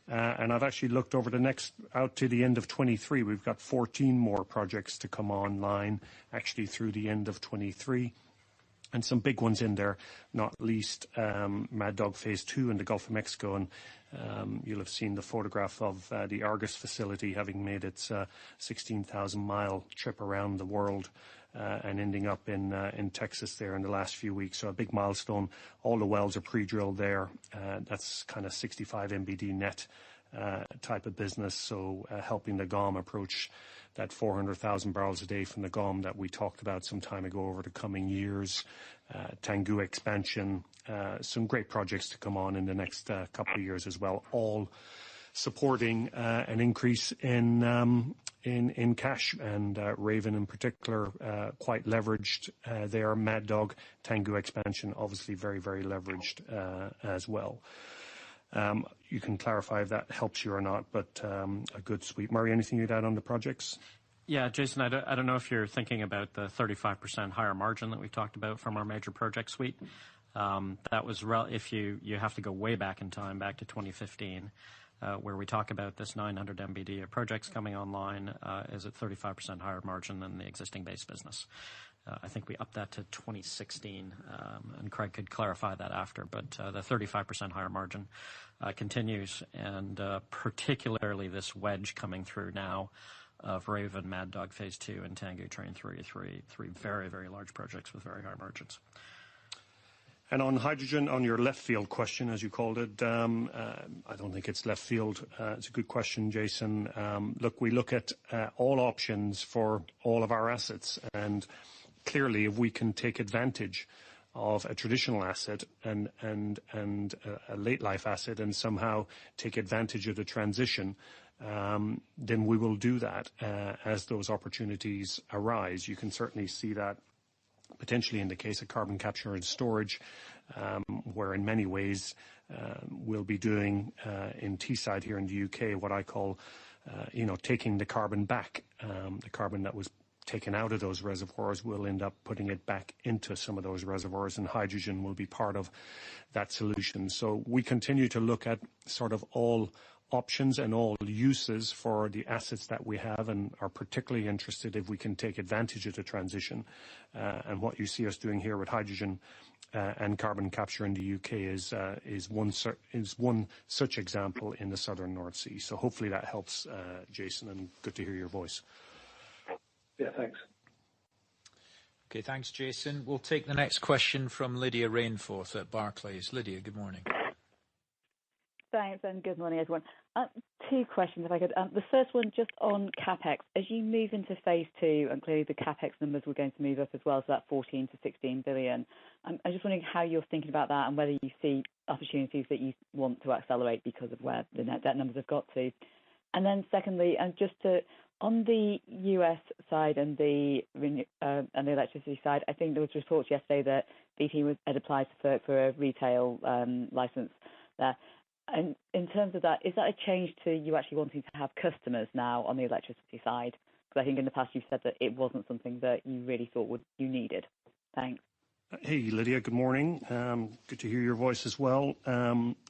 [SPEAKER 3] I've actually looked over the next out to the end of 2023. We've got 14 more projects to come online, actually through the end of 2023. Some big ones in there, not least Mad Dog Phase 2 in the Gulf of Mexico. You'll have seen the photograph of the Argos facility having made its 16,000-mile trip around the world, ending up in Texas there in the last few weeks. A big milestone. All the wells are pre-drilled there. That's kind of 65 Mboed net type of business. Helping the GoM approach that 400,000 bbl a day from the GoM that we talked about some time ago over the coming years. Tangguh expansion. Some great projects to come on in the next couple of years as well, all supporting an increase in cash and Raven in particular, quite leveraged there. Mad Dog, Tangguh expansion, obviously very leveraged as well. You can clarify if that helps you or not, but a good sweep. Murray, anything you'd add on the projects?
[SPEAKER 4] Yeah, Jason, I don't know if you're thinking about the 35% higher margin that we talked about from our major project suite. You have to go way back in time, back to 2015, where we talk about this 900 Mboed of projects coming online is at 35% higher margin than the existing base business. I think we upped that to 2016. Craig could clarify that after. The 35% higher margin continues, and particularly this wedge coming through now of Raven, Mad Dog Phase 2, and Tangguh Train 3. Three very large projects with very high margins.
[SPEAKER 3] On hydrogen, on your left field question, as you called it, I don't think it's left field. It's a good question, Jason. Look, we look at all options for all of our assets, and clearly, if we can take advantage of a traditional asset and a late-life asset, and somehow take advantage of the transition, then we will do that, as those opportunities arise. You can certainly see that potentially in the case of carbon capture and storage, where in many ways, we'll be doing, in Teesside here in the U.K., what I call taking the carbon back. The carbon that was taken out of those reservoirs, we'll end up putting it back into some of those reservoirs, and hydrogen will be part of that solution. We continue to look at sort of all options and all uses for the assets that we have and are particularly interested if we can take advantage of the transition. What you see us doing here with hydrogen and carbon capture in the U.K. is one such example in the southern North Sea. Hopefully that helps, Jason, and good to hear your voice.
[SPEAKER 7] Yeah, thanks.
[SPEAKER 2] Okay. Thanks, Jason. We'll take the next question from Lydia Rainforth at Barclays. Lydia, good morning.
[SPEAKER 8] Thanks. Good morning, everyone. Two questions if I could. The first one just on CapEx. As you move into phase II, clearly the CapEx numbers were going to move up as well to that $14 billion-$16 billion. I'm just wondering how you're thinking about that and whether you see opportunities that you want to accelerate because of where the net debt numbers have got to? Then secondly, on the U.S. side and the electricity side, I think there was reports yesterday that BP had applied for a retail license there. In terms of that, is that a change to you actually wanting to have customers now on the electricity side? Because I think in the past you've said that it wasn't something that you really thought you needed. Thanks.
[SPEAKER 3] Hey, Lydia. Good morning. Good to hear your voice as well.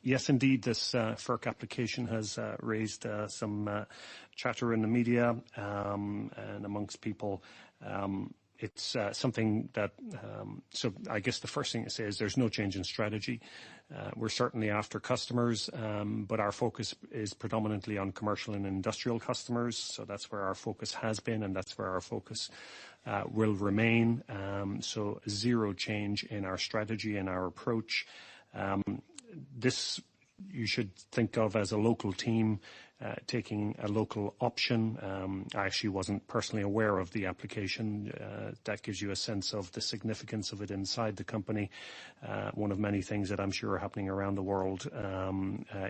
[SPEAKER 3] Yes, indeed. This FERC application has raised some chatter in the media, and amongst people. I guess the first thing to say is there's no change in strategy. We're certainly after customers, but our focus is predominantly on commercial and industrial customers. That's where our focus has been, and that's where our focus will remain. Zero change in our strategy and our approach. This you should think of as a local team taking a local option. I actually wasn't personally aware of the application. That gives you a sense of the significance of it inside the company. One of many things that I'm sure are happening around the world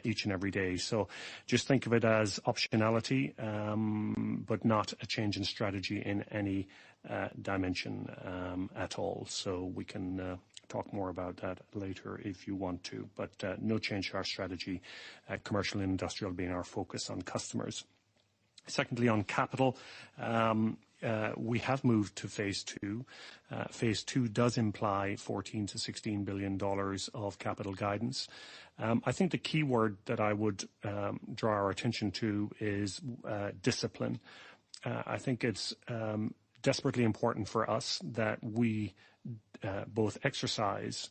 [SPEAKER 3] each and every day. Just think of it as optionality but not a change in strategy in any dimension at all. We can talk more about that later if you want to. No change to our strategy at commercial and industrial being our focus on customers. Secondly, on capital, we have moved to phase II. Phase II does imply $14 billion-$16 billion of capital guidance. I think the keyword that I would draw our attention to is discipline. I think it's desperately important for us that we both exercise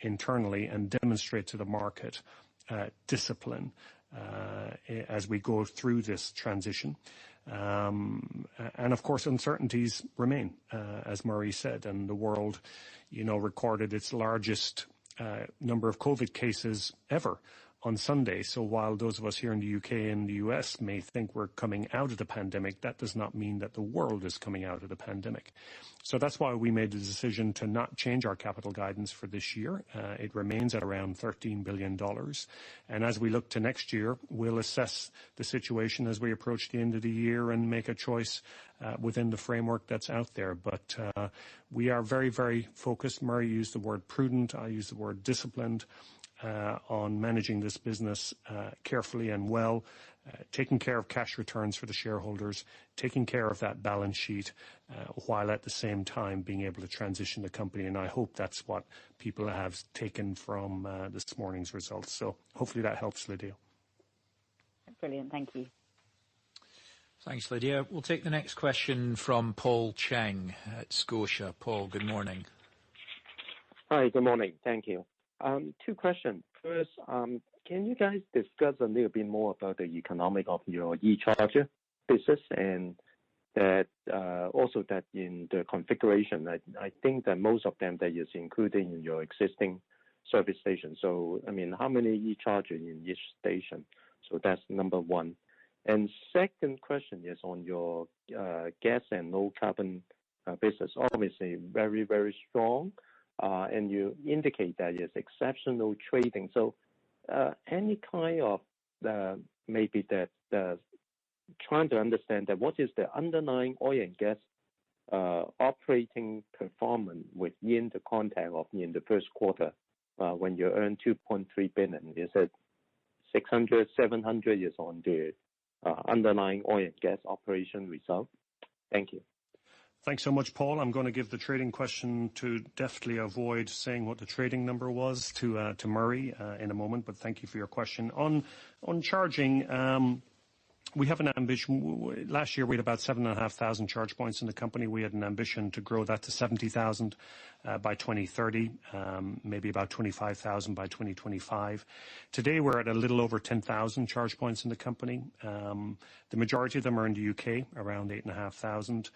[SPEAKER 3] internally and demonstrate to the market discipline as we go through this transition. Of course, uncertainties remain, as Murray said, and the world recorded its largest number of COVID cases ever on Sunday. While those of us here in the U.K. and the U.S. may think we're coming out of the pandemic, that does not mean that the world is coming out of the pandemic. That's why we made the decision to not change our capital guidance for this year. It remains at around $13 billion. As we look to next year, we'll assess the situation as we approach the end of the year and make a choice within the framework that's out there. We are very focused. Murray used the word prudent. I used the word disciplined on managing this business carefully and well. Taking care of cash returns for the shareholders. Taking care of that balance sheet, while at the same time being able to transition the company, and I hope that's what people have taken from this morning's results. Hopefully that helps, Lydia.
[SPEAKER 8] Brilliant. Thank you.
[SPEAKER 2] Thanks, Lydia. We'll take the next question from Paul Cheng at Scotiabank. Paul, good morning.
[SPEAKER 9] Hi, good morning. Thank you. Two questions. First, can you guys discuss a little bit more about the economic of your e-charger business and also that in the configuration, I think that most of them that is included in your existing service station. How many e-charger in each station? That's number one. Second question is on your gas and low carbon business, obviously very strong. You indicate that is exceptional trading. Any kind of maybe the trying to understand that what is the underlying oil and gas operating performance within the context of in the first quarter when you earn $2.3 billion, you said $600 million, $700 million is on the underlying oil and gas operation result? Thank you.
[SPEAKER 3] Thanks so much, Paul. I'm going to give the trading question to deftly avoid saying what the trading number was to Murray in a moment. Thank you for your question. On charging, we have an ambition. Last year we had about 7,500 charge points in the company. We had an ambition to grow that to 70,000 by 2030, maybe about 25,000 by 2025. Today, we're at a little over 10,000 charge points in the company. The majority of them are in the U.K., around 8,500.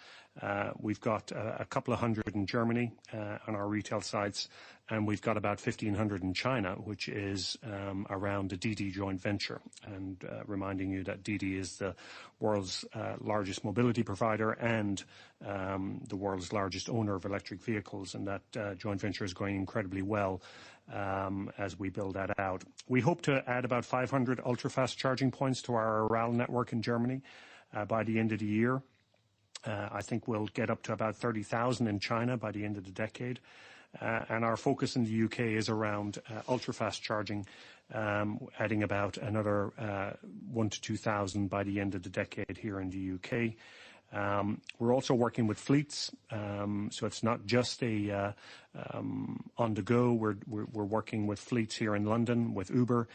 [SPEAKER 3] We've got a couple of hundred in Germany on our retail sites. And we've got about 1,500 in China, which is around the DiDi joint venture. Reminding you that DiDi is the world's largest mobility provider and the world's largest owner of electric vehicles, and that joint venture is going incredibly well as we build that out. We hope to add about 500 ultra-fast charging points to our Aral network in Germany by the end of the year. I think we'll get up to about 30,000 in China by the end of the decade. Our focus in the U.K. is around ultra-fast charging, adding about another 1,000-2,000 by the end of the decade here in the U.K. We're also working with fleets. It's not just on-the-go. We're working with fleets here in London, with Uber.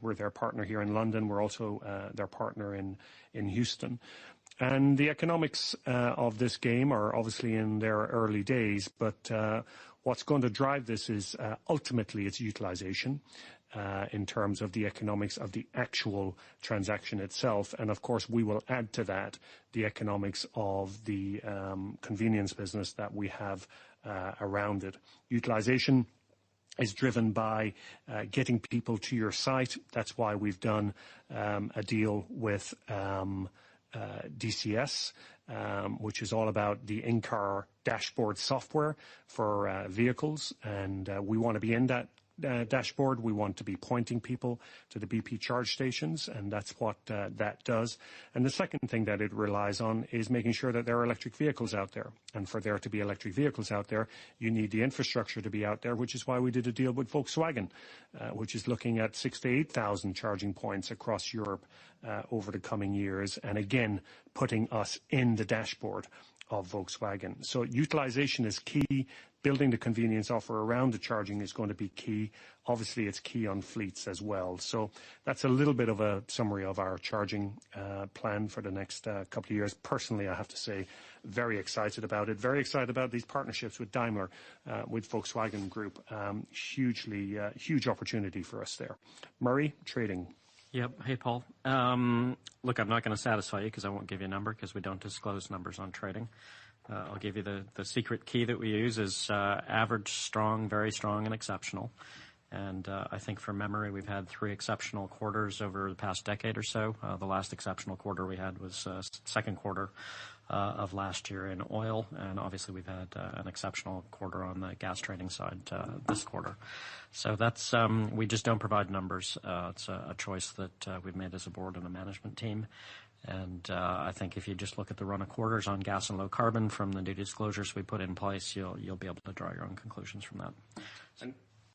[SPEAKER 3] We're their partner here in London. We're also their partner in Houston. The economics of this game are obviously in their early days, but what's going to drive this is ultimately its utilization, in terms of the economics of the actual transaction itself. Of course, we will add to that the economics of the convenience business that we have around it. Utilization is driven by getting people to your site. That's why we've done a deal with DCS, which is all about the in-car dashboard software for vehicles. We want to be in that dashboard. We want to be pointing people to the BP charge stations, and that's what that does. The second thing that it relies on is making sure that there are electric vehicles out there. For there to be electric vehicles out there, you need the infrastructure to be out there, which is why we did a deal with Volkswagen, which is looking at 6,000-8,000 charging points across Europe over the coming years. Again, putting us in the dashboard of Volkswagen. Utilization is key. Building the convenience offer around the charging is going to be key. Obviously, it's key on fleets as well. That's a little bit of a summary of our charging plan for the next couple of years. Personally, I have to say, very excited about it. Very excited about these partnerships with Daimler, with Volkswagen Group. Huge opportunity for us there. Murray, trading.
[SPEAKER 4] Yep. Hey, Paul. Look, I'm not going to satisfy you because I won't give you a number because we don't disclose numbers on trading. I'll give you the secret key that we use is average, strong, very strong, and exceptional. I think from memory, we've had three exceptional quarters over the past decade or so. The last exceptional quarter we had was second quarter of last year in oil. Obviously, we've had an exceptional quarter on the gas trading side this quarter. We just don't provide numbers. It's a choice that we've made as a board and a management team. I think if you just look at the run of quarters on gas and low carbon from the new disclosures we put in place, you'll be able to draw your own conclusions from that.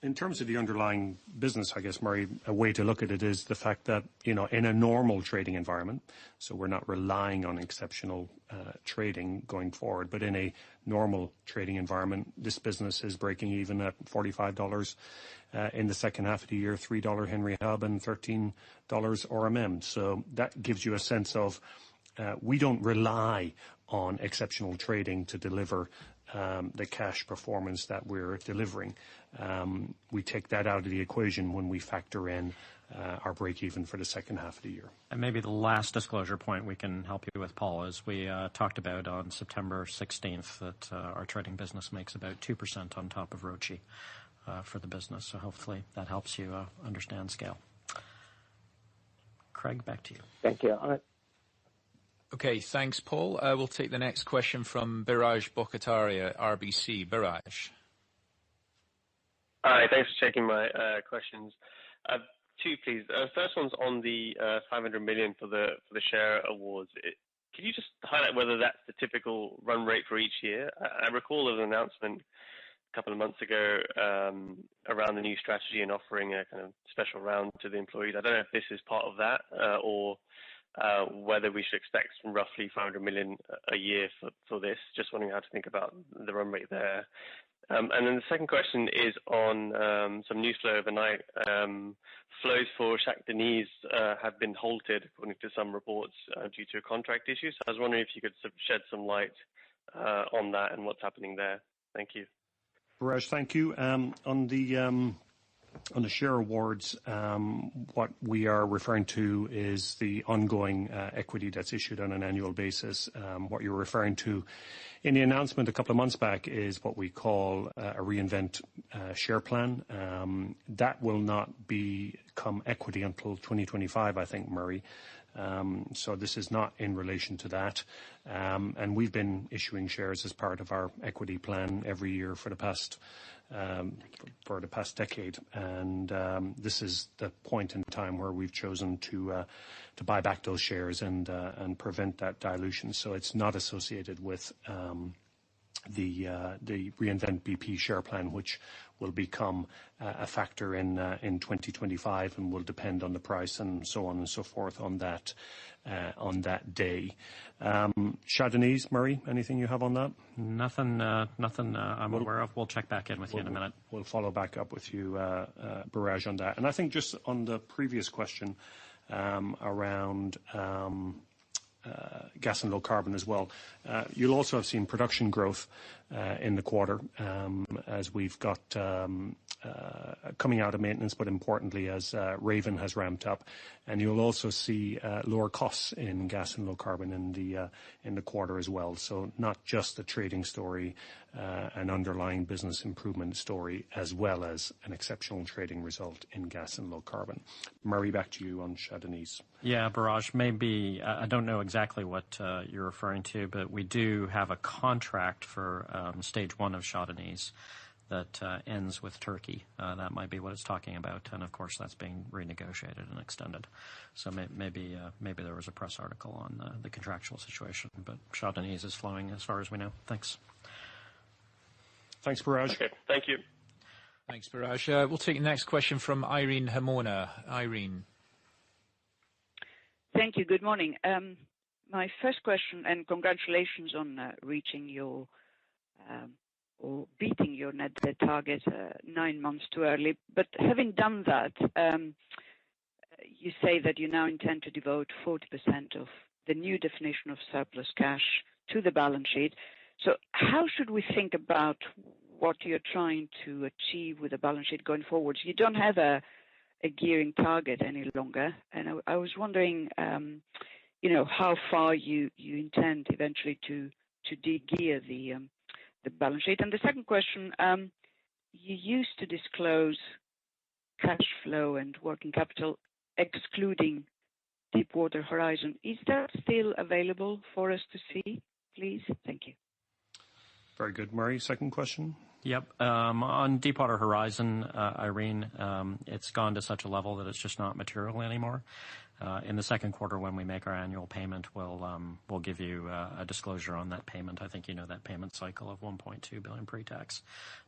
[SPEAKER 3] In terms of the underlying business, I guess, Murray, a way to look at it is the fact that in a normal trading environment, so we're not relying on exceptional trading going forward, but in a normal trading environment, this business is breaking even at $45 in the second half of the year, $3 Henry Hub and $13 RMM. That gives you a sense of we don't rely on exceptional trading to deliver the cash performance that we're delivering. We take that out of the equation when we factor in our break even for the second half of the year.
[SPEAKER 4] Maybe the last disclosure point we can help you with, Paul, is we talked about on September 16th that our trading business makes about 2% on top of ROACE for the business. Hopefully, that helps you understand scale. Craig, back to you.
[SPEAKER 9] Thank you.
[SPEAKER 2] Okay. Thanks, Paul. We'll take the next question from Biraj Borkhataria, RBC. Biraj.
[SPEAKER 10] Hi. Thanks for taking my questions. Two, please. First one's on the $500 million for the share awards. Can you just highlight whether that's the typical run rate for each year? I recall an announcement a couple of months ago around the new strategy and offering a kind of special round to the employees. I don't know if this is part of that or whether we should expect roughly $500 million a year for this. Just wondering how to think about the run rate there. The second question is on some news flow overnight. Flows for Shah Deniz have been halted, according to some reports, due to contract issues. I was wondering if you could shed some light on that and what's happening there. Thank you.
[SPEAKER 3] Biraj, thank you. On the share awards, what we are referring to is the ongoing equity that's issued on an annual basis. What you're referring to in the announcement a couple of months back is what we call a Reinvent share plan. That will not become equity until 2025, I think, Murray. This is not in relation to that. We've been issuing shares as part of our equity plan every year for the past decade. This is the point in time where we've chosen to buy back those shares and prevent that dilution. It's not associated with the Reinvent BP share plan, which will become a factor in 2025 and will depend on the price and so on and so forth on that day. Shah Deniz, Murray, anything you have on that?
[SPEAKER 4] Nothing I'm aware of. We'll check back in with you in a minute.
[SPEAKER 3] We'll follow back up with you, Biraj, on that. I think just on the previous question around gas and low carbon as well. You'll also have seen production growth in the quarter coming out of maintenance, but importantly, as Raven has ramped up. You'll also see lower costs in gas and low carbon in the quarter as well. Not just the trading story, an underlying business improvement story, as well as an exceptional trading result in gas and low carbon. Murray, back to you on Shah Deniz.
[SPEAKER 4] Yeah, Biraj. I don't know exactly what you're referring to, but we do have a contract for stage one of Shah Deniz that ends with Turkey. That might be what it's talking about. Of course, that's being renegotiated and extended. Maybe there was a press article on the contractual situation, but Shah Deniz is flowing as far as we know. Thanks.
[SPEAKER 3] Thanks, Biraj.
[SPEAKER 10] Okay. Thank you.
[SPEAKER 2] Thanks, Biraj. We'll take the next question from Irene Himona. Irene.
[SPEAKER 11] Thank you. Good morning. My first question, congratulations on reaching your or beating your net debt target nine months too early. Having done that, you say that you now intend to devote 40% of the new definition of surplus cash to the balance sheet. How should we think about what you're trying to achieve with the balance sheet going forward? You don't have a gearing target any longer, I was wondering how far you intend eventually to de-gear the balance sheet. The second question, you used to disclose cash flow and working capital excluding Deepwater Horizon. Is that still available for us to see, please? Thank you.
[SPEAKER 3] Very good. Murray, second question?
[SPEAKER 4] Yep. On Deepwater Horizon, Irene, it's gone to such a level that it's just not material anymore. In the second quarter when we make our annual payment, we'll give you a disclosure on that payment. I think you know that payment cycle of $1.2 billion pre-tax.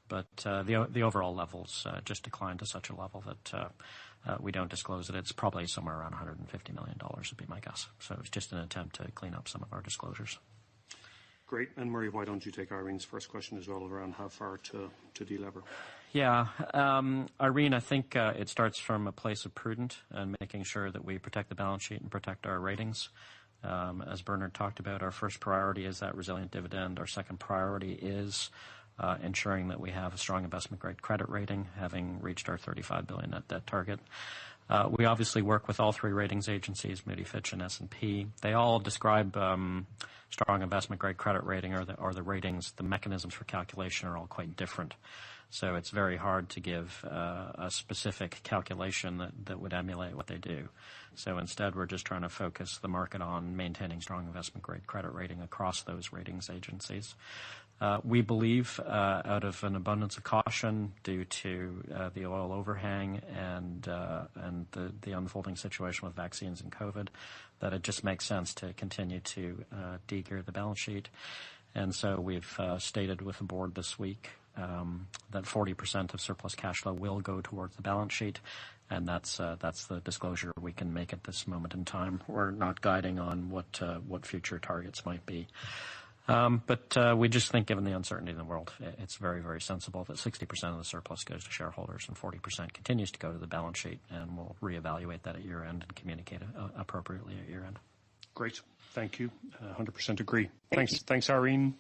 [SPEAKER 4] The overall levels just declined to such a level that we don't disclose it. It's probably somewhere around $150 million, would be my guess. It's just an attempt to clean up some of our disclosures.
[SPEAKER 3] Great. Murray, why don't you take Irene's first question as well, around how far to de-lever?
[SPEAKER 4] Yeah. Irene, I think it starts from a place of prudent and making sure that we protect the balance sheet and protect our ratings. As Bernard talked about, our first priority is that resilient dividend. Our second priority is ensuring that we have a strong investment-grade credit rating, having reached our $35 billion net debt target. We obviously work with all three ratings agencies, Moody's, Fitch, and S&P. They all describe strong investment-grade credit rating or the ratings. The mechanisms for calculation are all quite different. It's very hard to give a specific calculation that would emulate what they do. Instead, we're just trying to focus the market on maintaining strong investment-grade credit rating across those ratings agencies. We believe, out of an abundance of caution due to the oil overhang and the unfolding situation with vaccines and COVID, that it just makes sense to continue to de-gear the balance sheet. So we've stated with the board this week that 40% of surplus cash flow will go towards the balance sheet, and that's the disclosure we can make at this moment in time. We're not guiding on what future targets might be. We just think given the uncertainty in the world, it's very, very sensible that 60% of the surplus goes to shareholders and 40% continues to go to the balance sheet, and we'll reevaluate that at year-end and communicate it appropriately at year-end.
[SPEAKER 3] Great. Thank you. 100% agree.
[SPEAKER 11] Thank you.
[SPEAKER 3] Thanks, Irene.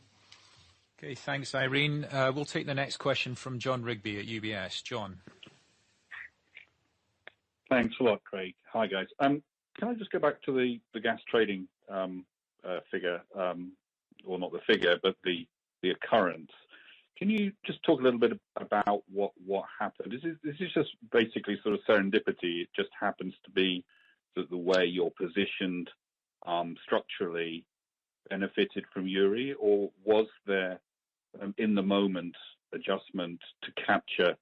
[SPEAKER 2] Okay, thanks, Irene. We'll take the next question from Jon Rigby at UBS. Jon.
[SPEAKER 12] Thanks a lot, Craig. Hi, guys. Can I just go back to the gas trading figure, or not the figure, but the occurrence. Can you just talk a little bit about what happened? Is this just basically sort of serendipity? It just happens to be that the way you're positioned structurally benefited from Uri, or was there an in-the-moment adjustment to capture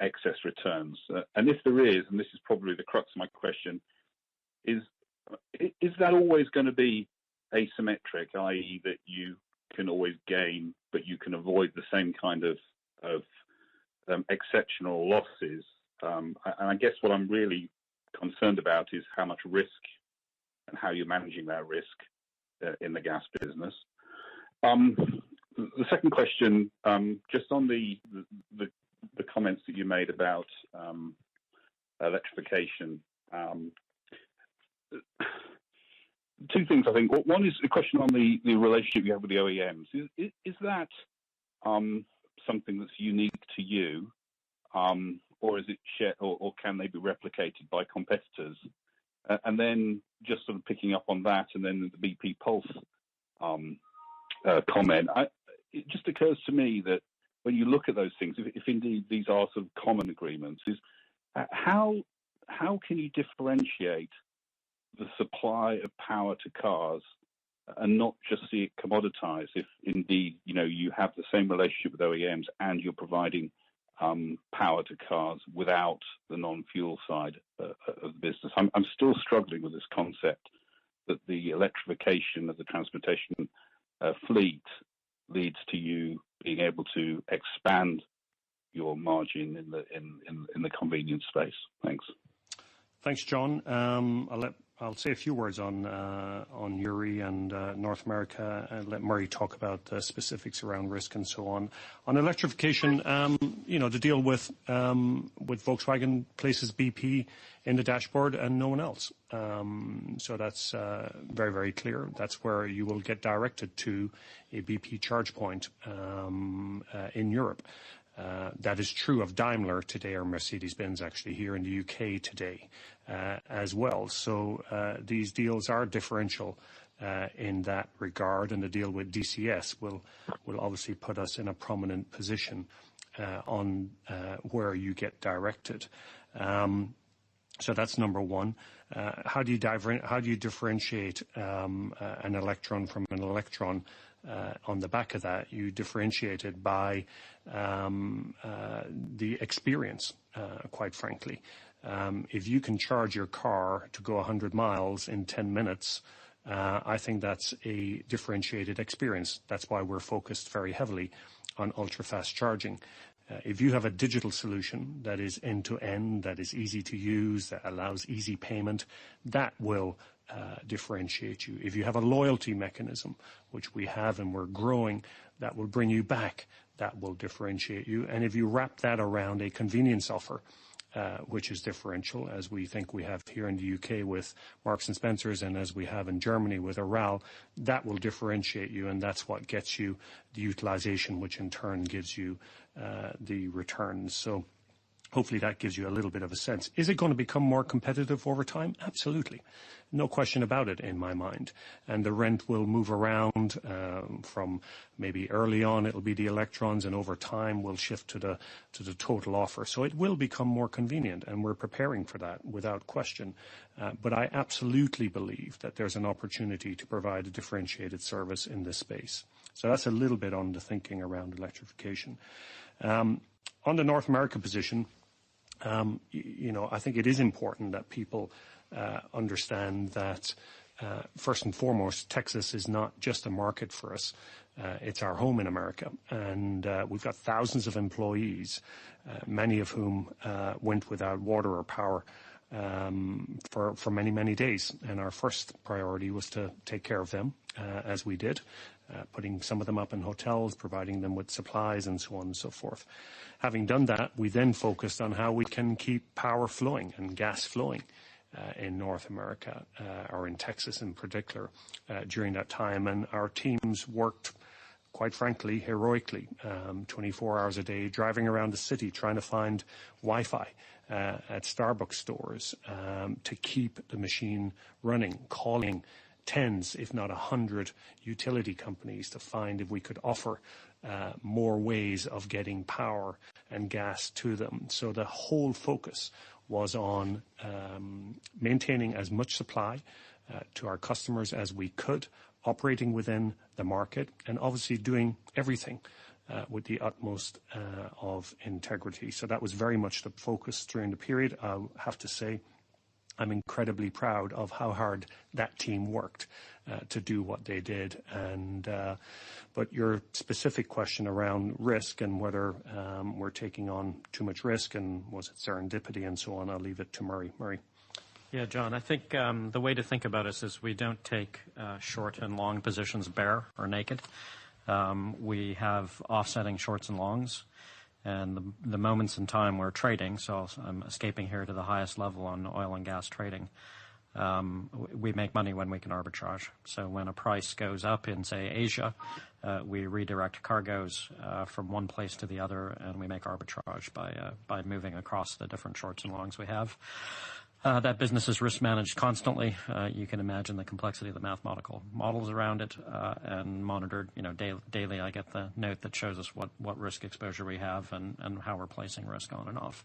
[SPEAKER 12] excess returns? If there is, and this is probably the crux of my question, is that always going to be asymmetric, i.e., that you can always gain but you can avoid the same kind of exceptional losses? I guess what I'm really concerned about is how much risk and how you're managing that risk in the gas business. The second question, just on the comments that you made about electrification. Two things, I think. One is the question on the relationship you have with the OEMs. Is that something that's unique to you? Can they be replicated by competitors? Just sort of picking up on that and then the bp pulse comment. It just occurs to me that when you look at those things, if indeed these are sort of common agreements, is how can you differentiate the supply of power to cars and not just see it commoditized, if indeed you have the same relationship with OEMs and you're providing power to cars without the non-fuel side of the business? I'm still struggling with this concept that the electrification of the transportation fleet leads to you being able to expand your margin in the convenience space. Thanks.
[SPEAKER 3] Thanks, Jon. I'll say a few words on Uri and North America, and let Murray talk about the specifics around risk and so on. On electrification, the deal with Volkswagen places BP in the dashboard and no one else. That's very, very clear. That's where you will get directed to a BP charge point in Europe. That is true of Daimler today or Mercedes-Benz actually here in the U.K. today as well. These deals are differential in that regard, and the deal with DCS will obviously put us in a prominent position on where you get directed. That's number one. How do you differentiate an electron from an electron? On the back of that, you differentiate it by the experience, quite frankly. If you can charge your car to go 100 mi in 10 minutes, I think that's a differentiated experience. That's why we're focused very heavily on ultra-fast charging. If you have a digital solution that is end-to-end, that is easy to use, that allows easy payment, that will differentiate you. If you have a loyalty mechanism, which we have and we're growing, that will bring you back, that will differentiate you. If you wrap that around a convenience offer which is differential as we think we have here in the U.K. with Marks & Spencer, and as we have in Germany with Aral, that will differentiate you, and that's what gets you the utilization, which in turn gives you the returns. Hopefully that gives you a little bit of a sense. Is it going to become more competitive over time? Absolutely. No question about it in my mind. The rent will move around from maybe early on it'll be the electrons, and over time we'll shift to the total offer. It will become more convenient, and we're preparing for that without question. I absolutely believe that there's an opportunity to provide a differentiated service in this space. That's a little bit on the thinking around electrification. On the North America position, I think it is important that people understand that first and foremost, Texas is not just a market for us, it's our home in America. We've got thousands of employees, many of whom went without water or power for many, many days. Our first priority was to take care of them, as we did, putting some of them up in hotels, providing them with supplies, and so on and so forth. Having done that, we focused on how we can keep power flowing and gas flowing in North America, or in Texas in particular, during that time. Our teams worked, quite frankly, heroically 24 hours a day, driving around the city, trying to find Wi-Fi at Starbucks stores to keep the machine running, calling tens, if not 100 utility companies to find if we could offer more ways of getting power and gas to them. The whole focus was on maintaining as much supply to our customers as we could, operating within the market, and obviously doing everything with the utmost of integrity. That was very much the focus during the period. I have to say, I'm incredibly proud of how hard that team worked to do what they did. Your specific question around risk and whether we're taking on too much risk and was it serendipity and so on, I'll leave it to Murray. Murray?
[SPEAKER 4] Yeah, Jon, I think the way to think about us is we don't take short and long positions bare or naked. We have offsetting shorts and longs and the moments in time we're trading. I'm escaping here to the highest level on oil and gas trading. We make money when we can arbitrage. When a price goes up in, say, Asia, we redirect cargoes from one place to the other, and we make arbitrage by moving across the different shorts and longs we have. That business is risk managed constantly. You can imagine the complexity of the mathematical models around it, and monitored daily. I get the note that shows us what risk exposure we have and how we're placing risk on and off.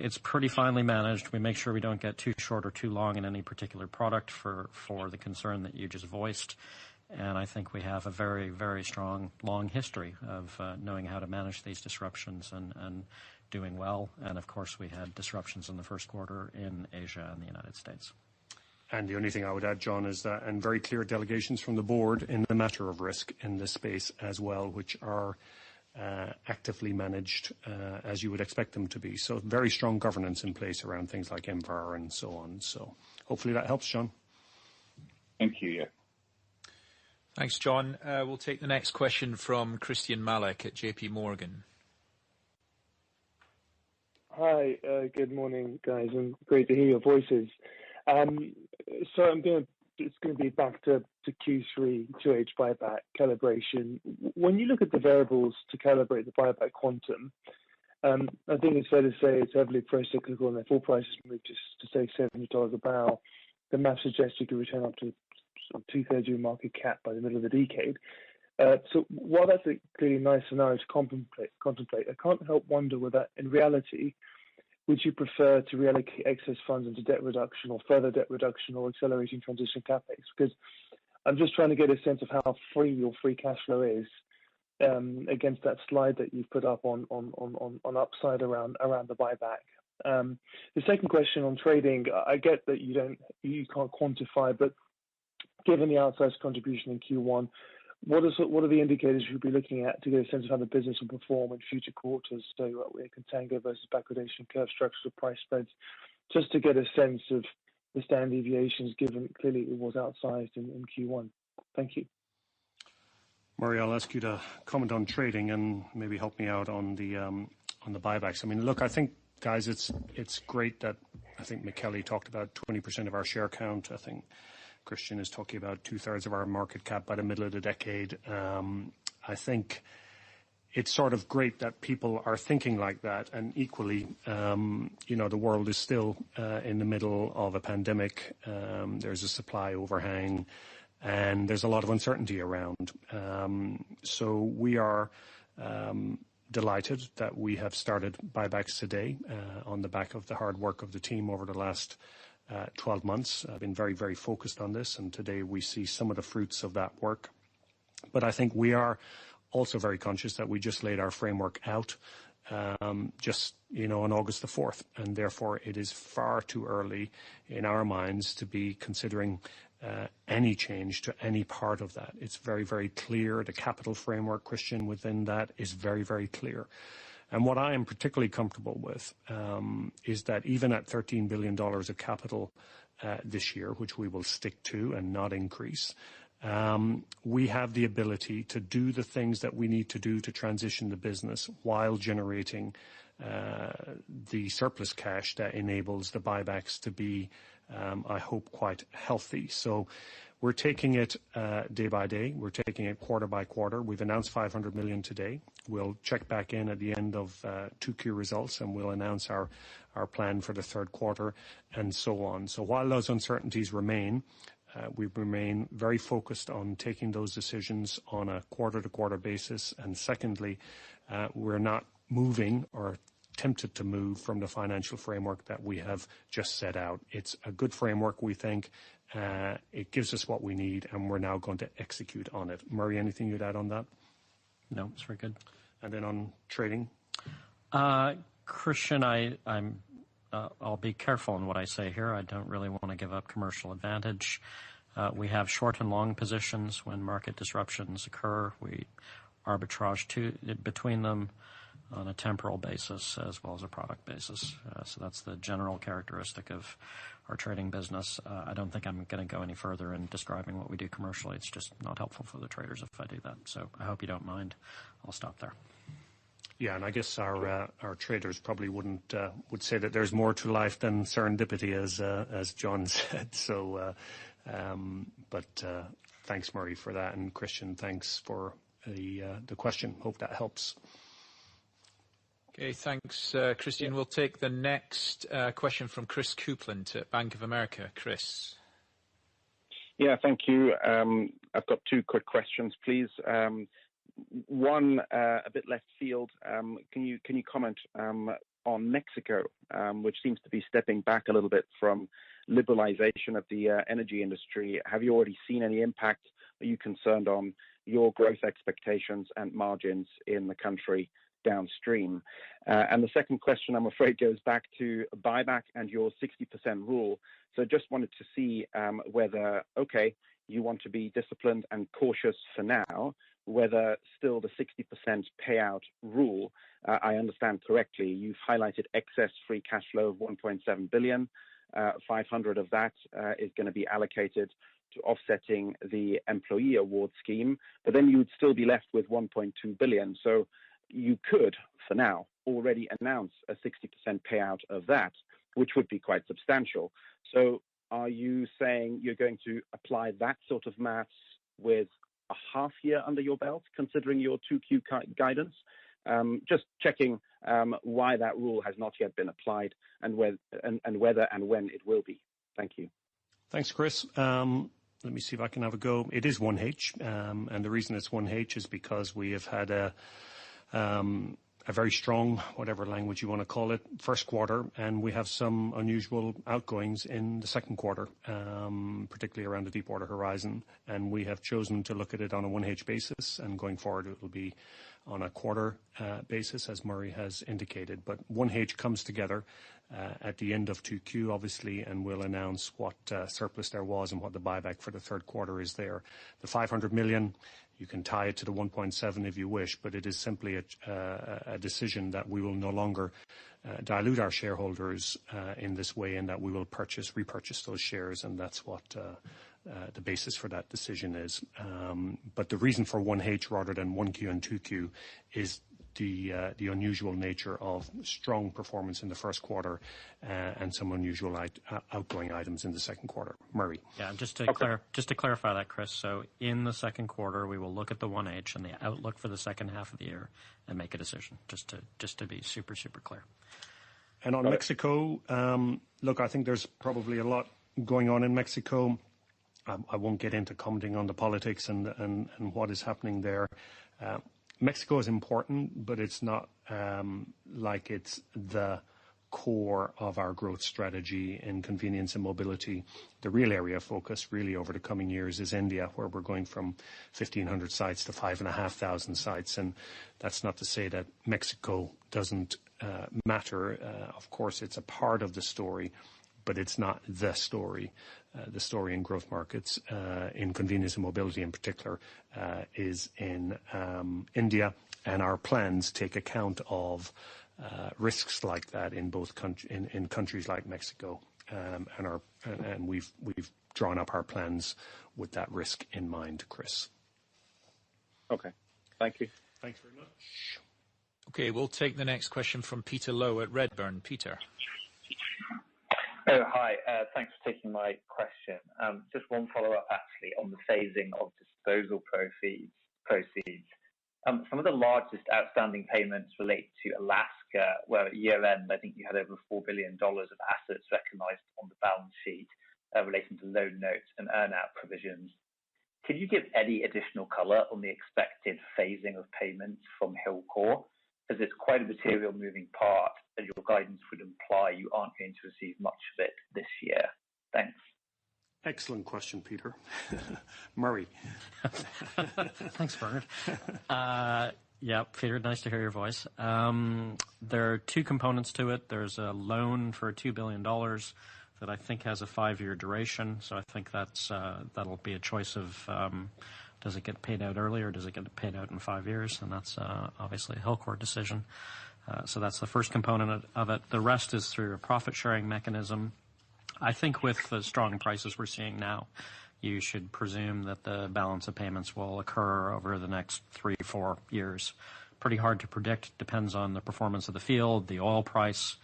[SPEAKER 4] It's pretty finely managed. We make sure we don't get too short or too long in any particular product for the concern that you just voiced. I think we have a very, very strong, long history of knowing how to manage these disruptions and doing well. Of course, we had disruptions in the first quarter in Asia and the United States.
[SPEAKER 3] The only thing I would add, Jon, is that and very clear delegations from the board in the matter of risk in this space as well, which are actively managed as you would expect them to be. Very strong governance in place around things like MVAR and so on. Hopefully that helps, Jon.
[SPEAKER 12] Thank you. Yeah.
[SPEAKER 2] Thanks, Jon. We'll take the next question from Christyan Malek at JPMorgan.
[SPEAKER 13] Hi. Good morning, guys, and great to hear your voices. It's going to be back to Q3 2H buyback calibration. When you look at the variables to calibrate the buyback quantum, I think it's fair to say it's heavily pro-cyclical and the full price is maybe just to say $70 a barrel. The math suggests you could return up to sort of 2/3 your market cap by the middle of the decade. While that's a clearly nice scenario to contemplate, I can't help wonder whether in reality, would you prefer to reallocate excess funds into debt reduction or further debt reduction or accelerating transition CapEx? I'm just trying to get a sense of how free your free cash flow is against that slide that you've put up on upside around the buyback. The second question on trading, I get that you can't quantify, given the outsized contribution in Q1, what are the indicators you'll be looking at to get a sense of how the business will perform in future quarters? Whether contango versus backwardation curve structures or price spreads, just to get a sense of the standard deviations given clearly it was outsized in Q1. Thank you.
[SPEAKER 3] Murray, I'll ask you to comment on trading and maybe help me out on the buybacks. I think, guys, it's great that Michele talked about 20% of our share count. I think Christyan is talking about 2/3 of our market cap by the middle of the decade. I think it's sort of great that people are thinking like that. Equally, the world is still in the middle of a pandemic. There's a supply overhang, and there's a lot of uncertainty around. We are delighted that we have started buybacks today on the back of the hard work of the team over the last 12 months. I've been very focused on this, and today we see some of the fruits of that work. I think we are also very conscious that we just laid our framework out just on August the 4th, and therefore it is far too early in our minds to be considering any change to any part of that. It's very, very clear. The capital framework, Christyan, within that is very, very clear. What I am particularly comfortable with is that even at $13 billion of capital this year, which we will stick to and not increase. We have the ability to do the things that we need to do to transition the business while generating the surplus cash that enables the buybacks to be, I hope, quite healthy. We're taking it day by day. We're taking it quarter by quarter. We've announced $500 million today. We'll check back in at the end of two key results. We'll announce our plan for the third quarter and so on. While those uncertainties remain, we remain very focused on taking those decisions on a quarter-to-quarter basis. Secondly, we're not moving or tempted to move from the financial framework that we have just set out. It's a good framework, we think. It gives us what we need. We're now going to execute on it. Murray, anything you'd add on that?
[SPEAKER 4] No, it's very good.
[SPEAKER 3] On trading.
[SPEAKER 4] Christyan, I'll be careful in what I say here. I don't really want to give up commercial advantage. We have short and long positions. When market disruptions occur, we arbitrage between them on a temporal basis as well as a product basis. That's the general characteristic of our trading business. I don't think I'm going to go any further in describing what we do commercially. It's just not helpful for the traders if I do that. I hope you don't mind. I'll stop there.
[SPEAKER 3] Yeah, I guess our traders probably would say that there's more to life than serendipity, as Jon said. Thanks, Murray, for that. Christyan, thanks for the question. Hope that helps.
[SPEAKER 2] Okay. Thanks, Christyan. We'll take the next question from Chris Kuplent at Bank of America. Chris.
[SPEAKER 14] Yeah, thank you. I've got two quick questions, please. One, a bit left field. Can you comment on Mexico, which seems to be stepping back a little bit from liberalization of the energy industry. Have you already seen any impact? Are you concerned on your growth expectations and margins in the country downstream? The second question, I'm afraid, goes back to buyback and your 60% rule. Just wanted to see whether, okay, you want to be disciplined and cautious for now, whether still the 60% payout rule, I understand correctly, you've highlighted excess free cash flow of $1.7 billion, $500 million of that is going to be allocated to offsetting the employee award scheme. You would still be left with $1.2 billion. You could, for now, already announce a 60% payout of that, which would be quite substantial. Are you saying you're going to apply that sort of math with a half year under your belt, considering your 2Q guidance? Just checking why that rule has not yet been applied and whether and when it will be. Thank you.
[SPEAKER 3] Thanks, Chris. Let me see if I can have a go. It is 1H, and the reason it's 1H is because we have had a very strong, whatever language you want to call it, first quarter, and we have some unusual outgoings in the second quarter, particularly around the Deepwater Horizon, and we have chosen to look at it on a 1H basis, and going forward it will be on a quarter basis, as Murray has indicated. 1H comes together at the end of 2Q, obviously, and we'll announce what surplus there was and what the buyback for the third quarter is there. The $500 million, you can tie it to the $1.7 billion if you wish. It is simply a decision that we will no longer dilute our shareholders in this way and that we will purchase, repurchase those shares. That's what the basis for that decision is. The reason for 1H rather than 1Q and 2Q is the unusual nature of strong performance in the first quarter and some unusual outgoing items in the second quarter. Murray.
[SPEAKER 4] Yeah, just to clarify that, Chris. In the second quarter, we will look at the 1H and the outlook for the second half of the year and make a decision, just to be super clear.
[SPEAKER 3] On Mexico, look, I think there's probably a lot going on in Mexico. I won't get into commenting on the politics and what is happening there. Mexico is important, but it's not like it's the core of our growth strategy in convenience and mobility. The real area of focus really over the coming years is India, where we're going from 1,500 sites to 5,500 sites. That's not to say that Mexico doesn't matter. Of course, it's a part of the story. It's not the story. The story in growth markets, in convenience and mobility in particular, is in India, and our plans take account of risks like that in countries like Mexico. We've drawn up our plans with that risk in mind, Chris.
[SPEAKER 14] Okay. Thank you.
[SPEAKER 3] Thanks very much.
[SPEAKER 2] Okay. We'll take the next question from Peter Low at Redburn. Peter.
[SPEAKER 15] Hi. Thanks for taking my question. Just one follow-up, actually, on the phasing of disposal proceeds. Some of the largest outstanding payments relate to Alaska, where at year-end, I think you had over $4 billion of assets recognized on the balance sheet relating to loan notes and earn-out provisions. Could you give any additional color on the expected phasing of payments from Hilcorp, as it's quite a material moving part, as your guidance would imply you aren't going to receive much of it this year? Thanks.
[SPEAKER 3] Excellent question, Peter. Murray.
[SPEAKER 4] Thanks, Bernard. Peter, nice to hear your voice. There are two components to it. There's a loan for $2 billion that I think has a five-year duration. I think that'll be a choice of does it get paid out earlier, does it get paid out in five years? That's obviously a Hilcorp decision. That's the first component of it. The rest is through a profit-sharing mechanism. I think with the strong prices we're seeing now, you should presume that the balance of payments will occur over the next three to four years. Pretty hard to predict. Depends on the performance of the field, the oil price,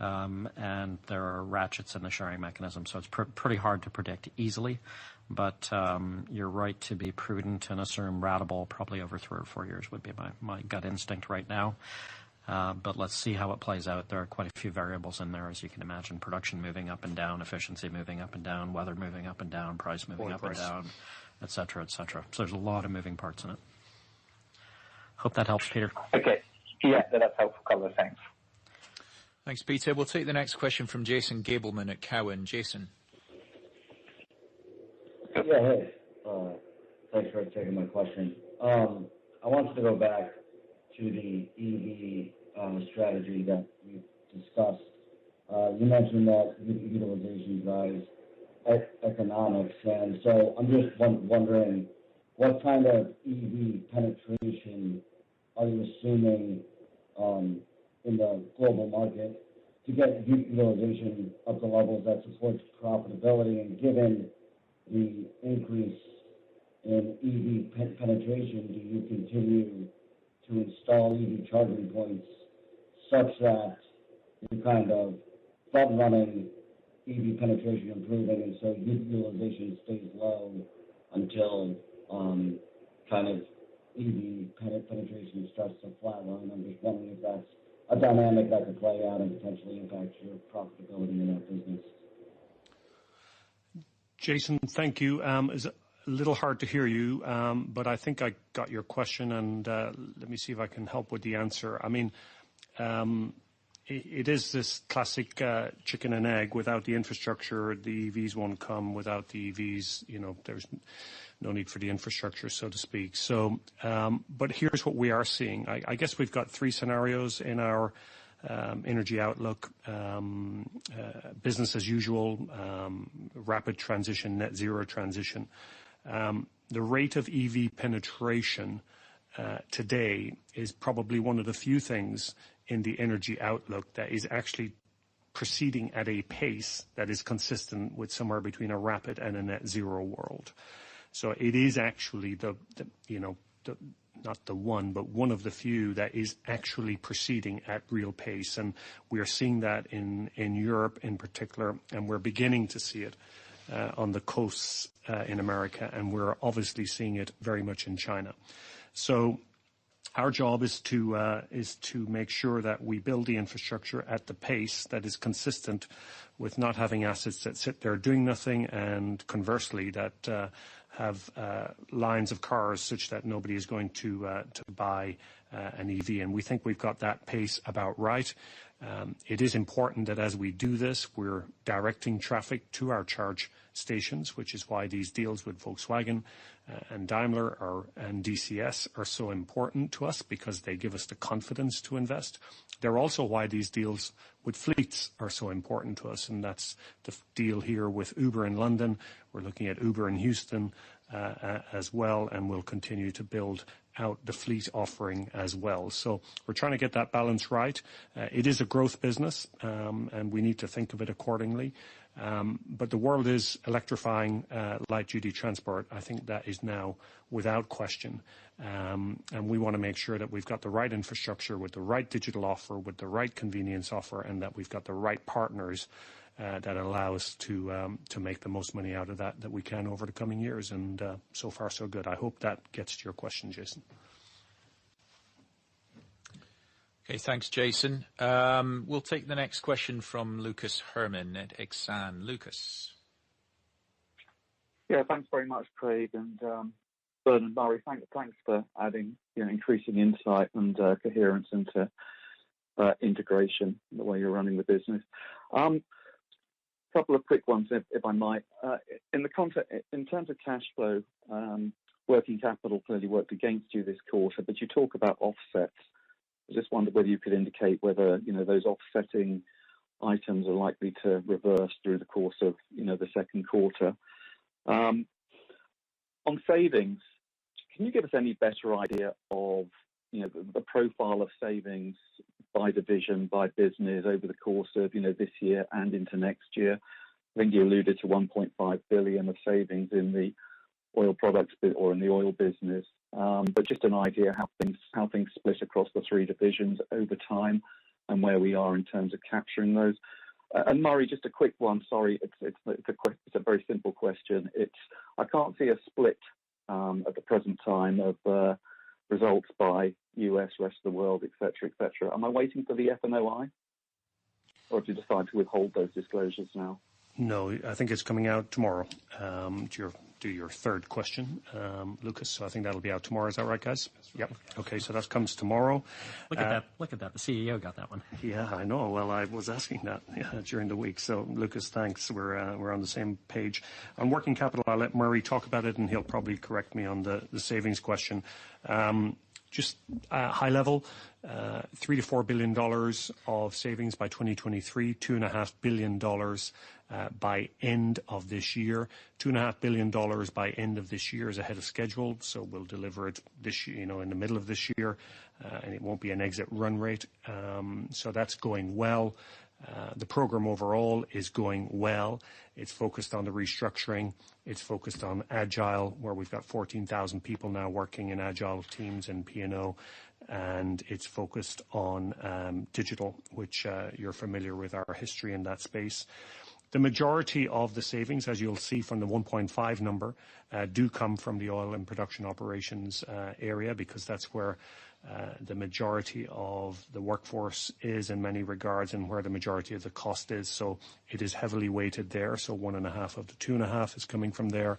[SPEAKER 4] and there are ratchets in the sharing mechanism, so it's pretty hard to predict easily. You're right to be prudent and assume ratable probably over three or four years would be my gut instinct right now. Let's see how it plays out. There are quite a few variables in there as you can imagine. Production moving up and down, efficiency moving up and down, weather moving up and down.
[SPEAKER 15] Oil price
[SPEAKER 4] price moving up and down, et cetera. There's a lot of moving parts in it. Hope that helps, Peter.
[SPEAKER 15] Okay. Yeah, that's helpful. Thanks.
[SPEAKER 2] Thanks, Peter. We'll take the next question from Jason Gabelman at Cowen. Jason.
[SPEAKER 16] Yeah, hey. Thanks for taking my question. I wanted to go back to the EV strategy that you've discussed. You mentioned that utilization drives economics. I'm just wondering what kind of EV penetration are you assuming in the global market to get utilization of the levels that supports profitability? Given the increase in EV penetration, do you continue to install EV charging points such that you're kind of front-running EV penetration improving and so utilization stays low until kind of EV penetration starts to flatline? I'm just wondering if that's a dynamic that could play out and potentially impact your profitability in that business.
[SPEAKER 3] Jason, thank you. It's a little hard to hear you, but I think I got your question, and let me see if I can help with the answer. It is this classic chicken and egg. Without the infrastructure, the EVs won't come. Without the EVs, there's no need for the infrastructure, so to speak. Here's what we are seeing. I guess we've got three scenarios in our energy outlook. Business as Usual, Rapid Transition, Net Zero Transition. The rate of EV penetration today is probably one of the few things in the energy outlook that is actually proceeding at a pace that is consistent with somewhere between a rapid and a net zero world. It is actually, not the one, but one of the few that is actually proceeding at real pace, and we are seeing that in Europe in particular, and we're beginning to see it on the coasts in America, and we're obviously seeing it very much in China. Our job is to make sure that we build the infrastructure at the pace that is consistent with not having assets that sit there doing nothing, and conversely, that have lines of cars such that nobody is going to buy an EV, and we think we've got that pace about right. It is important that as we do this, we're directing traffic to our charge stations, which is why these deals with Volkswagen and Daimler and DCS are so important to us because they give us the confidence to invest. They're also why these deals with fleets are so important to us, and that's the deal here with Uber in London. We're looking at Uber in Houston as well, and we'll continue to build out the fleet offering as well. We're trying to get that balance right. It is a growth business, and we need to think of it accordingly. The world is electrifying light duty transport. I think that is now without question. We want to make sure that we've got the right infrastructure with the right digital offer, with the right convenience offer, and that we've got the right partners that allow us to make the most money out of that we can over the coming years. So far so good. I hope that gets to your question, Jason.
[SPEAKER 2] Okay. Thanks, Jason. We'll take the next question from Lucas Herrmann at Exane. Lucas.
[SPEAKER 17] Yeah. Thanks very much, Craig, and Bernard and Murray, thanks for adding increasing insight and coherence into integration the way you're running the business. Couple of quick ones, if I might. In terms of cash flow, working capital clearly worked against you this quarter, but you talk about offsets. I just wondered whether you could indicate whether those offsetting items are likely to reverse through the course of the second quarter. On savings, can you give us any better idea of the profile of savings by division, by business over the course of this year and into next year? I think you alluded to $1.5 billion of savings in the oil products or in the oil business, but just an idea how things split across the three divisions over time and where we are in terms of capturing those. Murray, just a quick one. Sorry. It's a very simple question. I can't see a split, at the present time, of results by U.S. versus the world, et cetera. Am I waiting for the F&OI, or have you decided to withhold those disclosures now?
[SPEAKER 3] No, I think it's coming out tomorrow. To your third question, Lucas. I think that'll be out tomorrow. Is that right, guys?
[SPEAKER 4] Yep.
[SPEAKER 3] Okay. That comes tomorrow.
[SPEAKER 4] Look at that. The CEO got that one.
[SPEAKER 3] Yeah, I know. Well, I was asking that during the week, Lucas, thanks. We're on the same page. On working capital, I'll let Murray talk about it, he'll probably correct me on the savings question. Just high level, $3 billion-$4 billion of savings by 2023, $2.5 billion by end of this year. $2.5 billion by end of this year is ahead of schedule. We'll deliver it in the middle of this year. It won't be an exit run rate. That's going well. The program overall is going well. It's focused on the restructuring. It's focused on Agile, where we've got 14,000 people now working in Agile teams and P&O, it's focused on digital, which you're familiar with our history in that space. The majority of the savings, as you'll see from the $1.5 billion number, do come from the oil and production operations area because that's where the majority of the workforce is in many regards and where the majority of the cost is. It is heavily weighted there. $1.5 billion of the $2.5 billion is coming from there.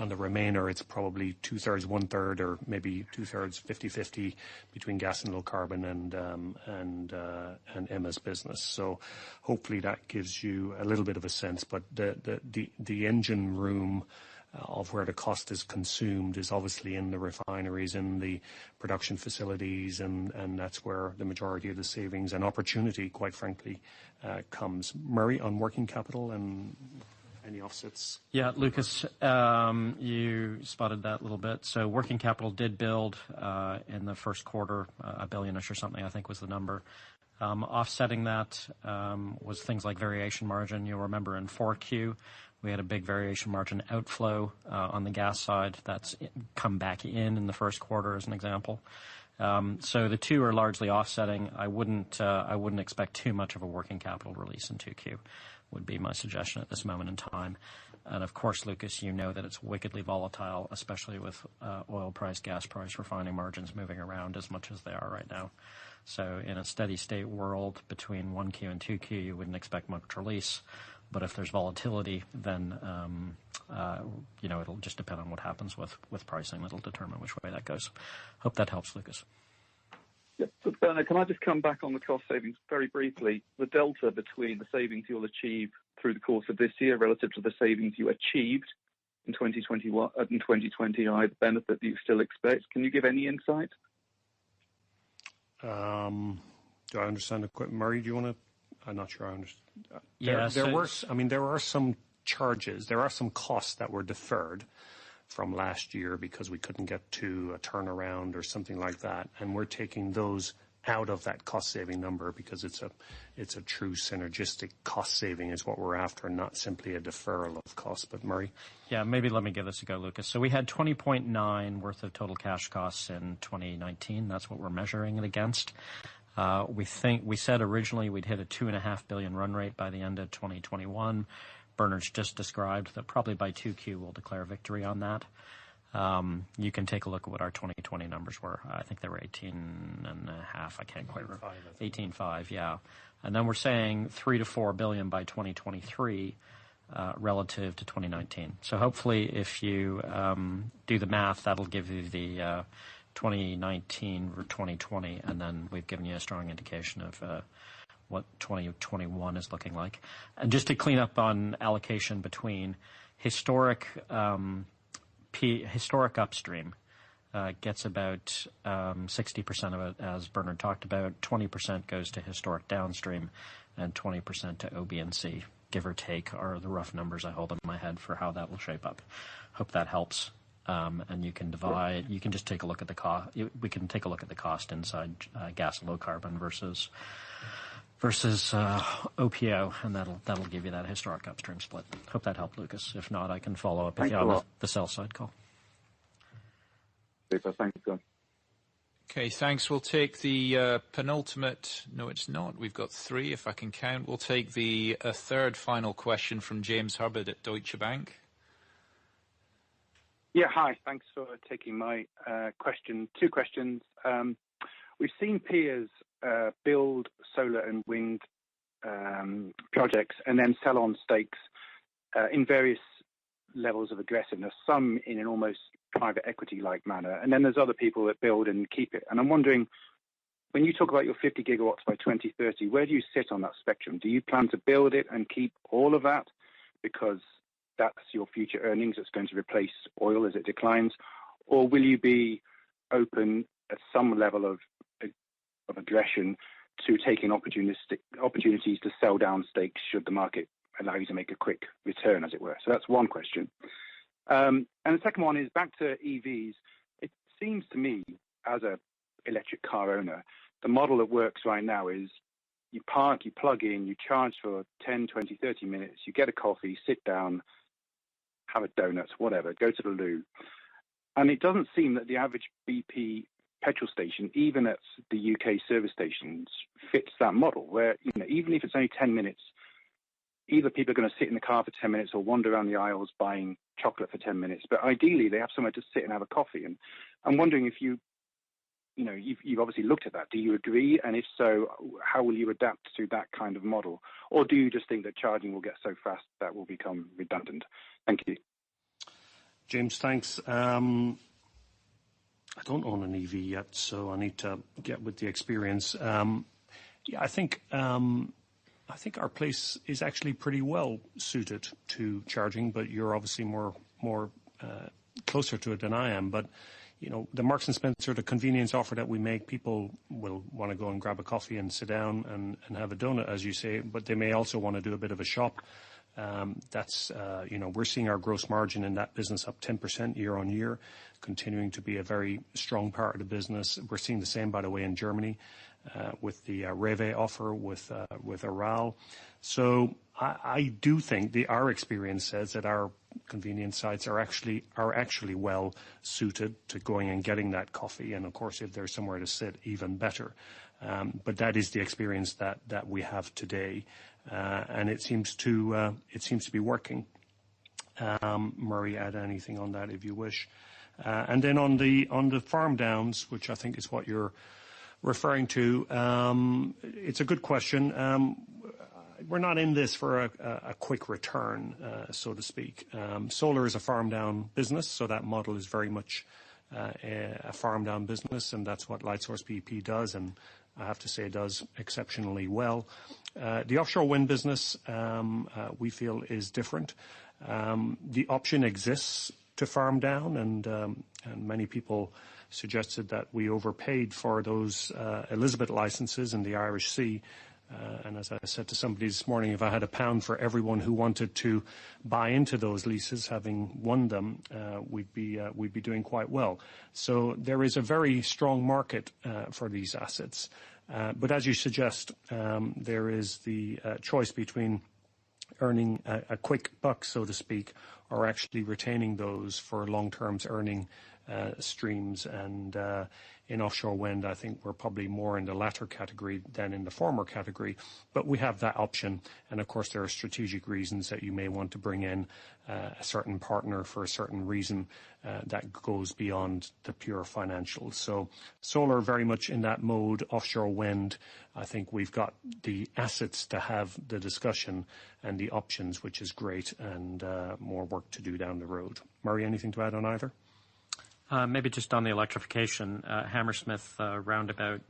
[SPEAKER 3] On the remainder, it's probably 2/3, 1/3 or maybe 2/3, 50/50 between gas and low carbon and [C&P] business. Hopefully that gives you a little bit of a sense. The engine room of where the cost is consumed is obviously in the refineries, in the production facilities, and that's where the majority of the savings and opportunity, quite frankly, comes. Murray, on working capital and any offsets.
[SPEAKER 4] Yeah, Lucas, you spotted that little bit. Working capital did build in the first quarter, a billion-ish or something, I think was the number. Offsetting that was things like variation margin. You'll remember in 4Q, we had a big variation margin outflow on the gas side that's come back in in the first quarter, as an example. The two are largely offsetting. I wouldn't expect too much of a working capital release in 2Q, would be my suggestion at this moment in time. Of course, Lucas, you know that it's wickedly volatile, especially with oil price, gas price, refining margins moving around as much as they are right now. In a steady state world between 1Q and 2Q, you wouldn't expect much release. If there's volatility, then it'll just depend on what happens with pricing. That'll determine which way that goes. Hope that helps, Lucas.
[SPEAKER 17] Yep. Bernard, can I just come back on the cost savings very briefly? The delta between the savings you'll achieve through the course of this year relative to the savings you achieved in 2021 and 2020, the benefit that you still expect. Can you give any insight?
[SPEAKER 3] Do I understand it correct? Murray, do you want to?
[SPEAKER 4] Yeah.
[SPEAKER 3] There were some charges. There are some costs that were deferred from last year because we couldn't get to a turnaround or something like that, and we're taking those out of that cost-saving number because it's a true synergistic cost saving is what we're after, not simply a deferral of cost. Murray.
[SPEAKER 4] Maybe let me give this a go, Lucas. We had $20.9 billion worth of total cash costs in 2019. That's what we're measuring it against. We said originally we'd hit a $2.5 billion run rate by the end of 2021. Bernard's just described that probably by 2Q, we'll declare victory on that. You can take a look at what our 2020 numbers were. I think they were $18.5 billion.
[SPEAKER 3] 18.5.
[SPEAKER 4] $18.5 billion. Then we're saying $3 billion-$4 billion by 2023, relative to 2019. Hopefully, if you do the math, that'll give you the 2019 or 2020, then we've given you a strong indication of what 2021 is looking like. Just to clean up on allocation between historic upstream gets about 60% of it, as Bernard talked about, 20% goes to historic downstream and 20% to OB&C, give or take, are the rough numbers I hold in my head for how that will shape up. Hope that helps. You can divide. We can take a look at the cost inside gas and low carbon versus OPO, that'll give you that historic upstream split. Hope that helped, Lucas. If not, I can follow up with you on the sell side call.
[SPEAKER 17] Okay. Thank you.
[SPEAKER 2] Okay, thanks. We've got three, if I can count. We'll take the third final question from James Hubbard at Deutsche Bank.
[SPEAKER 18] Yeah, hi. Thanks for taking my question. Two questions. We've seen peers build solar and wind projects and then sell on stakes in various levels of aggressiveness, some in an almost private equity-like manner. There's other people that build and keep it. I'm wondering. When you talk about your 50 GW by 2030, where do you sit on that spectrum? Do you plan to build it and keep all of that because that's your future earnings that's going to replace oil as it declines? Will you be open at some level of aggression to taking opportunities to sell down stakes should the market allow you to make a quick return, as it were? That's one question. The second one is back to EVs. It seems to me as a electric car owner, the model that works right now is you park, you plug in, you charge for 10, 20, 30 minutes, you get a coffee, sit down, have a donut, whatever, go to the loo. It doesn't seem that the average BP petrol station, even at the U.K. service stations, fits that model where even if it's only 10 minutes, either people are going to sit in the car for 10 minutes or wander around the aisles buying chocolate for 10 minutes. Ideally, they have somewhere to sit and have a coffee. I'm wondering if you've obviously looked at that. Do you agree? If so, how will you adapt to that kind of model? Or do you just think that charging will get so fast that will become redundant? Thank you.
[SPEAKER 3] James. Thanks. I don't own an EV yet, I need to get with the experience. I think our place is actually pretty well-suited to charging, but you're obviously more closer to it than I am. The Marks & Spencer, the convenience offer that we make, people will want to go and grab a coffee and sit down and have a donut, as you say, but they may also want to do a bit of a shop. We're seeing our gross margin in that business up 10% year-on-year, continuing to be a very strong part of the business. We're seeing the same, by the way, in Germany, with the REWE offer with Aral. I do think that our experience says that our convenience sites are actually well-suited to going and getting that coffee, and of course, if there's somewhere to sit even better. That is the experience that we have today. It seems to be working. Murray, add anything on that if you wish. Then on the farm downs, which I think is what you're referring to, it's a good question. We're not in this for a quick return, so to speak. Solar is a farm down business, so that model is very much a farm down business, and that's what Lightsource bp does, and I have to say does exceptionally well. The offshore wind business, we feel is different. The option exists to farm down, and many people suggested that we overpaid for those Elizabeth licenses in the Irish Sea. As I said to somebody this morning, if I had a pound for everyone who wanted to buy into those leases, having won them, we'd be doing quite well. There is a very strong market for these assets. As you suggest, there is the choice between earning a quick buck, so to speak, or actually retaining those for long-term earning streams. In offshore wind, I think we're probably more in the latter category than in the former category, but we have that option. Of course, there are strategic reasons that you may want to bring in a certain partner for a certain reason that goes beyond the pure financials. Solar, very much in that mode. Offshore wind, I think we've got the assets to have the discussion and the options, which is great and more work to do down the road. Murray, anything to add on either?
[SPEAKER 4] Maybe just on the electrification. Hammersmith roundabout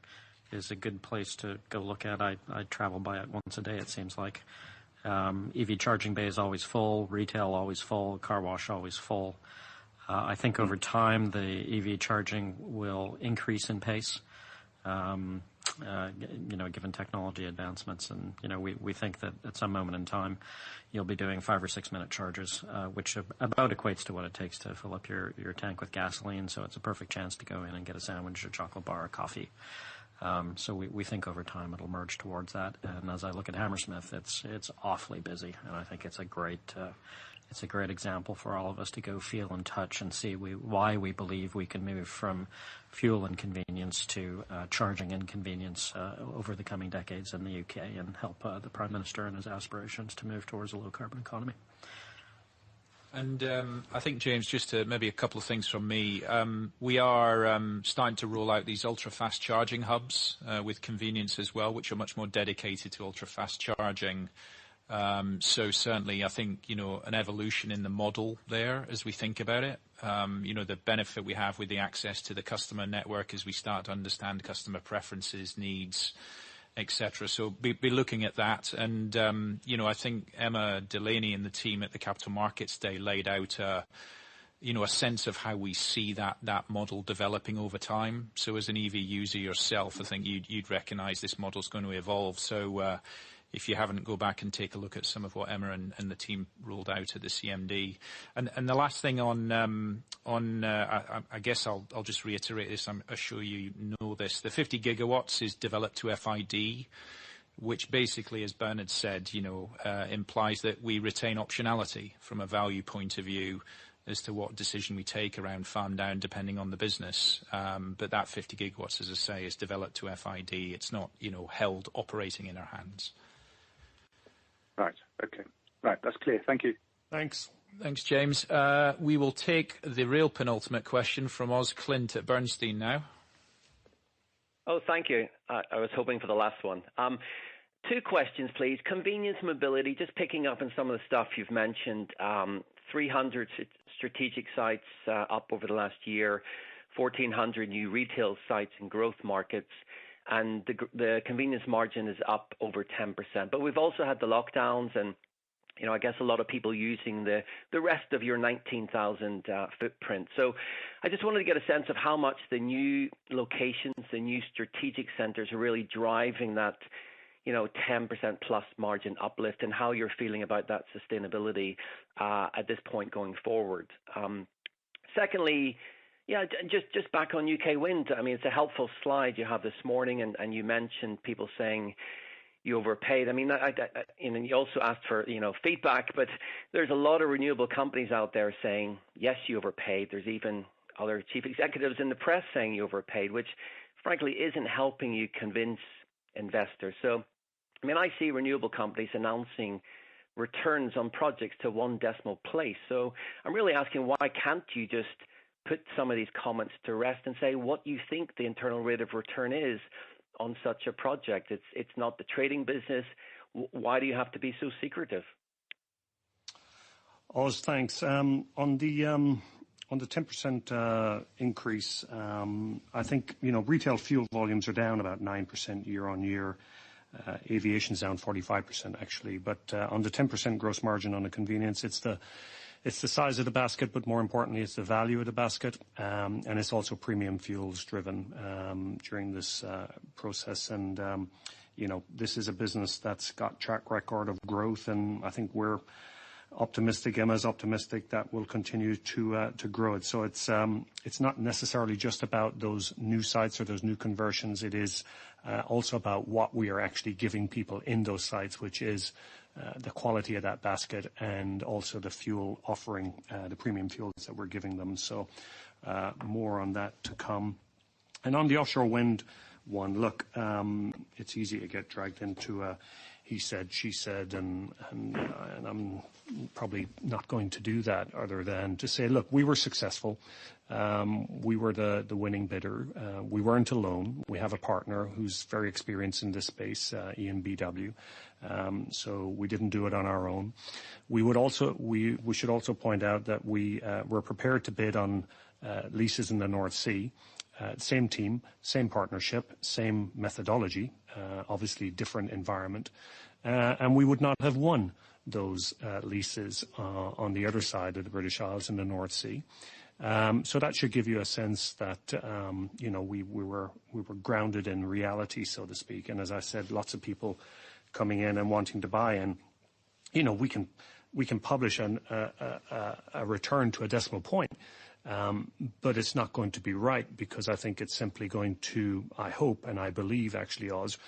[SPEAKER 4] is a good place to go look at. I travel by it once a day, it seems like. EV charging bay is always full, retail always full, car wash always full. I think over time, the EV charging will increase in pace given technology advancements. We think that at some moment in time you'll be doing five or six-minute charges, which about equates to what it takes to fill up your tank with gasoline. It's a perfect chance to go in and get a sandwich or chocolate bar or coffee. We think over time it'll merge towards that. As I look at Hammersmith, it's awfully busy, and I think it's a great example for all of us to go feel and touch and see why we believe we can move from fuel and convenience to charging and convenience over the coming decades in the U.K. and help the Prime Minister and his aspirations to move towards a low carbon economy.
[SPEAKER 2] I think, James, just maybe a couple of things from me. We are starting to roll out these ultra-fast charging hubs with convenience as well, which are much more dedicated to ultra-fast charging. Certainly, I think an evolution in the model there as we think about it. The benefit we have with the access to the customer network as we start to understand customer preferences, needs, et cetera. Be looking at that. I think Emma Delaney and the team at the Capital Markets Day laid out a sense of how we see that model developing over time. As an EV user yourself, I think you'd recognize this model is going to evolve. If you haven't, go back and take a look at some of what Emma and the team rolled out at the CMD. I guess I'll just reiterate this, I'm sure you know this. The 50 GW is developed to FID, which basically, as Bernard said implies that we retain optionality from a value point of view as to what decision we take around farm down, depending on the business. That 50 GW, as I say, is developed to FID. It's not held operating in our hands.
[SPEAKER 18] Right. Okay. Right. That's clear. Thank you.
[SPEAKER 3] Thanks.
[SPEAKER 2] Thanks, James. We will take the real penultimate question from Oz Clint at Bernstein now.
[SPEAKER 19] Oh, thank you. I was hoping for the last one. Two questions, please. Convenience mobility, just picking up on some of the stuff you've mentioned. 300 strategic sites up over the last year, 1,400 new retail sites in growth markets, and the convenience margin is up over 10%. We've also had the lockdowns and I guess a lot of people using the rest of your 19,000 footprint. I just wanted to get a sense of how much the new locations, the new strategic centers are really driving that 10%+ margin uplift and how you're feeling about that sustainability at this point going forward. Secondly, just back on U.K. wind. It's a helpful slide you have this morning, and you mentioned people saying you overpaid. You also asked for feedback, there's a lot of renewable companies out there saying, "Yes, you overpaid." There's even other chief executives in the press saying you overpaid, which frankly isn't helping you convince investors. I see renewable companies announcing returns on projects to one decimal place. I'm really asking why can't you just put some of these comments to rest and say what you think the internal rate of return is on such a project? It's not the trading business. Why do you have to be so secretive?
[SPEAKER 3] Oz, thanks. On the 10% increase, I think retail fuel volumes are down about 9% year-on-year. Aviation's down 45%, actually. On the 10% gross margin on the convenience, it's the size of the basket, but more importantly, it's the value of the basket. It's also premium fuels driven during this process. This is a business that's got track record of growth, and I think we're optimistic and as optimistic that we'll continue to grow it. It's not necessarily just about those new sites or those new conversions. It is also about what we are actually giving people in those sites, which is the quality of that basket and also the fuel offering, the premium fuels that we're giving them. More on that to come. On the offshore wind one, look, it's easy to get dragged into a he said, she said, and I'm probably not going to do that other than to say, look, we were successful. We were the winning bidder. We weren't alone. We have a partner who's very experienced in this space, EnBW. We didn't do it on our own. We should also point out that we were prepared to bid on leases in the North Sea. Same team, same partnership, same methodology, obviously different environment. We would not have won those leases on the other side of the British Isles in the North Sea. That should give you a sense that we were grounded in reality, so to speak. As I said, lots of people coming in and wanting to buy in. We can publish a return to a decimal point, but it's not going to be right because I think it's simply going to, I hope and I believe actually, Oz,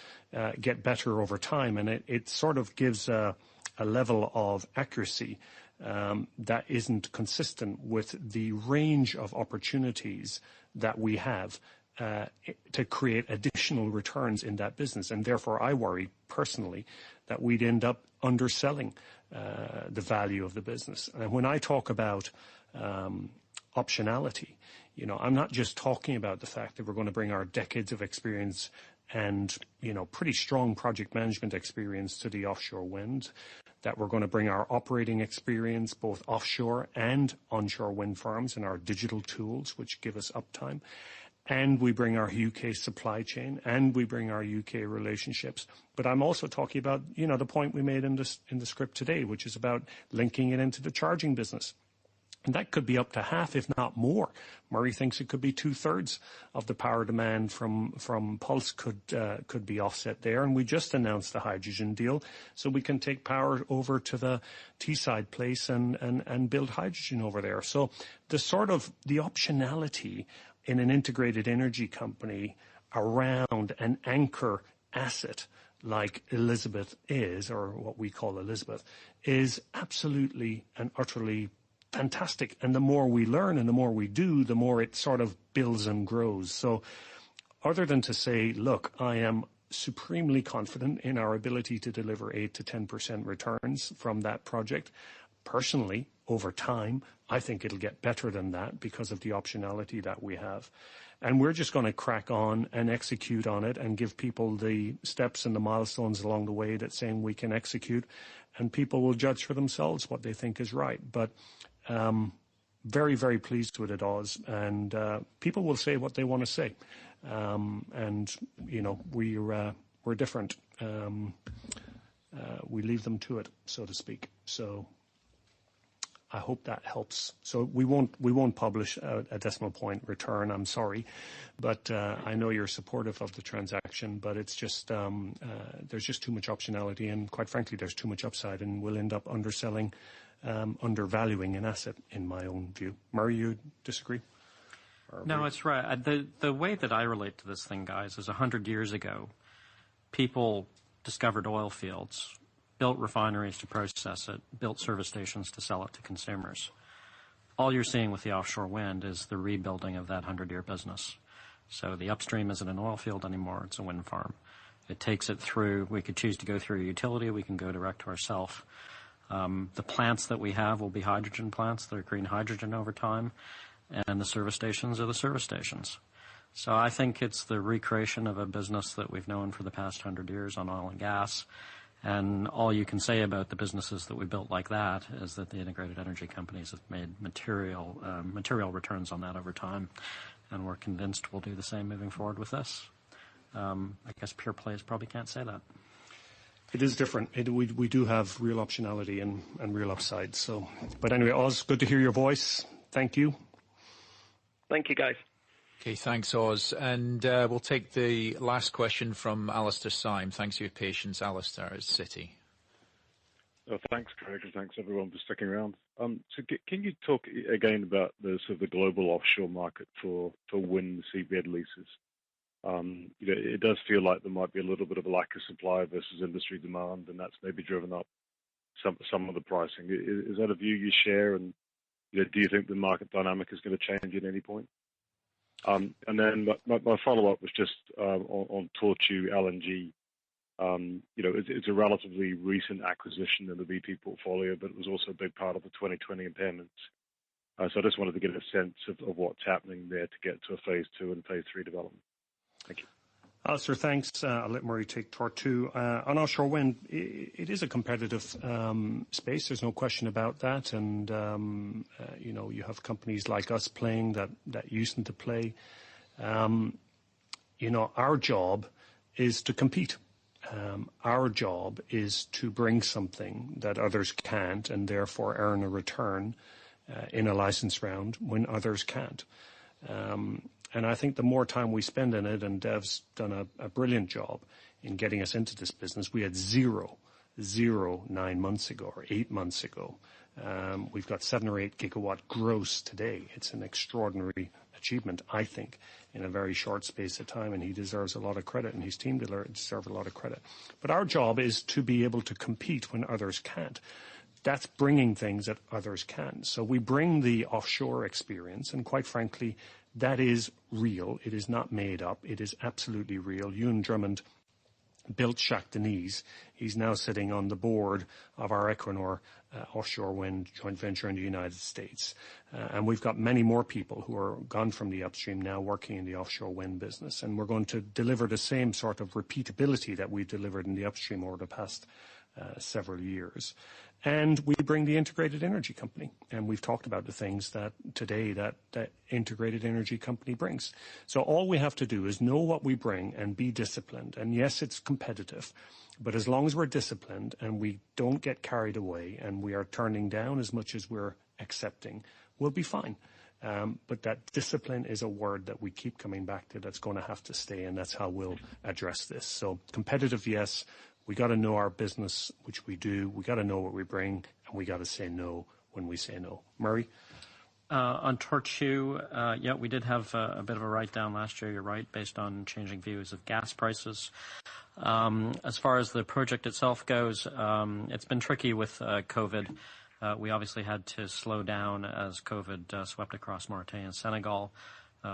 [SPEAKER 3] get better over time. It sort of gives a level of accuracy that isn't consistent with the range of opportunities that we have to create additional returns in that business. Therefore, I worry personally that we'd end up underselling the value of the business. When I talk about optionality, I'm not just talking about the fact that we're going to bring our decades of experience and pretty strong project management experience to the offshore wind, that we're going to bring our operating experience, both offshore and onshore wind farms, and our digital tools, which give us uptime. We bring our U.K. supply chain, and we bring our U.K. relationships. I'm also talking about the point we made in the script today, which is about linking it into the charging business. That could be up to half, if not more. Murray thinks it could be 2/3 of the power demand from Pulse could be offset there. We just announced the hydrogen deal. We can take power over to the Teesside place and build hydrogen over there. The optionality in an integrated energy company around an anchor asset like Elizabeth is or what we call Elizabeth, is absolutely and utterly fantastic. The more we learn and the more we do, the more it sort of builds and grows. Other than to say, look, I am supremely confident in our ability to deliver 8%-10% returns from that project. Personally, over time, I think it'll get better than that because of the optionality that we have. We're just going to crack on and execute on it and give people the steps and the milestones along the way that's saying we can execute, and people will judge for themselves what they think is right. Very, very pleased with it, Oz. People will say what they want to say. We're different. We leave them to it, so to speak. I hope that helps. We won't publish a decimal point return, I'm sorry. I know you're supportive of the transaction, but there's just too much optionality, and quite frankly, there's too much upside, and we'll end up underselling, undervaluing an asset in my own view. Murray, you disagree?
[SPEAKER 4] No, it's right. The way that I relate to this thing, guys, is 100 years ago, people discovered oil fields, built refineries to process it, built service stations to sell it to consumers. All you're seeing with the offshore wind is the rebuilding of that 100-year business. The upstream isn't an oil field anymore, it's a wind farm. We could choose to go through a utility, we can go direct to ourself. The plants that we have will be hydrogen plants that are green hydrogen over time, and the service stations are the service stations. I think it's the recreation of a business that we've known for the past 100 years on oil and gas. All you can say about the businesses that we built like that is that the integrated energy companies have made material returns on that over time. We're convinced we'll do the same moving forward with this. I guess pure plays probably can't say that.
[SPEAKER 3] It is different. We do have real optionality and real upside. Anyway, Oz, good to hear your voice. Thank you.
[SPEAKER 19] Thank you, guys.
[SPEAKER 2] Okay, thanks, Oz. We'll take the last question from Alastair Syme. Thanks for your patience, Alastair at Citi.
[SPEAKER 20] Thanks, Craig. Thanks everyone for sticking around. Can you talk again about the sort of global offshore market for wind seabed leases? It does feel like there might be a little bit of a lack of supply versus industry demand, and that's maybe driven up some of the pricing. Is that a view you share, and do you think the market dynamic is going to change at any point? My follow-up was just on Tortue LNG. It's a relatively recent acquisition in the BP portfolio, but it was also a big part of the 2020 impairments. I just wanted to get a sense of what's happening there to get to a phase II and phase III development. Thank you.
[SPEAKER 3] Alastair, thanks. I'll let Murray take Tortue. On offshore wind, it is a competitive space. There's no question about that. You have companies like us playing that used to play. Our job is to compete. Our job is to bring something that others can't and therefore earn a return in a license round when others can't. I think the more time we spend in it, and Dev's done a brilliant job in getting us into this business. We had zero, nine months ago or eight months ago. We've got 7 GW or 8 GW gross today. It's an extraordinary achievement, I think, in a very short space of time, and he deserves a lot of credit, and his team deserve a lot of credit. Our job is to be able to compete when others can't. That's bringing things that others can't. We bring the offshore experience, and quite frankly, that is real. It is not made up. It is absolutely real. Ewan Drummond built Shah Deniz. He's now sitting on the board of our Equinor offshore wind joint venture in the United States. We've got many more people who are gone from the upstream now working in the offshore wind business. We're going to deliver the same sort of repeatability that we've delivered in the upstream over the past several years. We bring the integrated energy company, and we've talked about the things that today that integrated energy company brings. All we have to do is know what we bring and be disciplined. Yes, it's competitive, but as long as we're disciplined and we don't get carried away and we are turning down as much as we're accepting, we'll be fine. That discipline is a word that we keep coming back to that's going to have to stay. That's how we'll address this. Competitive, yes. We got to know our business, which we do. We got to know what we bring, and we got to say no when we say no. Murray?
[SPEAKER 4] On Tortue, yeah, we did have a bit of a write-down last year, you're right, based on changing views of gas prices. As far as the project itself goes, it's been tricky with COVID. We obviously had to slow down as COVID swept across Mauritania and Senegal.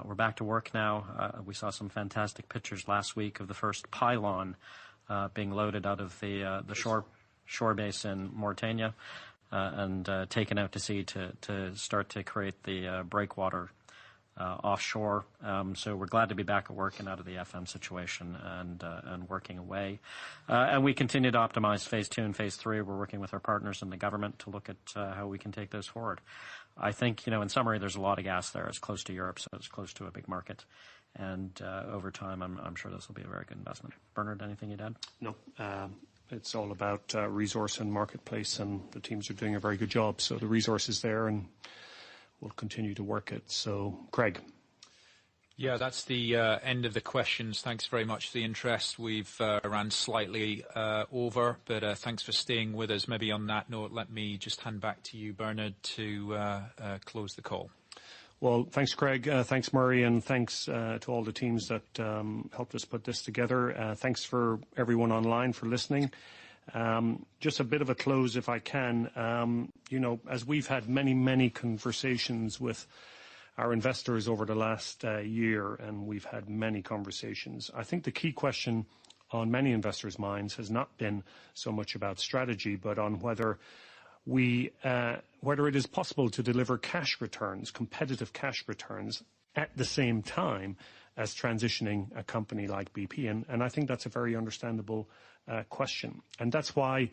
[SPEAKER 4] We're back to work now. We saw some fantastic pictures last week of the first pylon being loaded out of the shore base in Mauritania and taken out to sea to start to create the breakwater offshore. We're glad to be back at work and out of the force majeure situation and working away. We continue to optimize phase II and phase III. We're working with our partners in the government to look at how we can take those forward. I think, in summary, there's a lot of gas there. It's close to Europe, it's close to a big market. Over time, I'm sure this will be a very good investment. Bernard, anything you'd add?
[SPEAKER 3] No. It's all about resource and marketplace, and the teams are doing a very good job. The resource is there, and we'll continue to work it. Craig.
[SPEAKER 2] Yeah, that's the end of the questions. Thanks very much for the interest. We've ran slightly over, but thanks for staying with us. Maybe on that note, let me just hand back to you, Bernard, to close the call.
[SPEAKER 3] Well, thanks, Craig. Thanks, Murray. Thanks to all the teams that helped us put this together. Thanks for everyone online for listening. Just a bit of a close, if I can. As we've had many conversations with our investors over the last year, and we've had many conversations, I think the key question on many investors' minds has not been so much about strategy, but on whether it is possible to deliver cash returns, competitive cash returns, at the same time as transitioning a company like BP. I think that's a very understandable question. That's why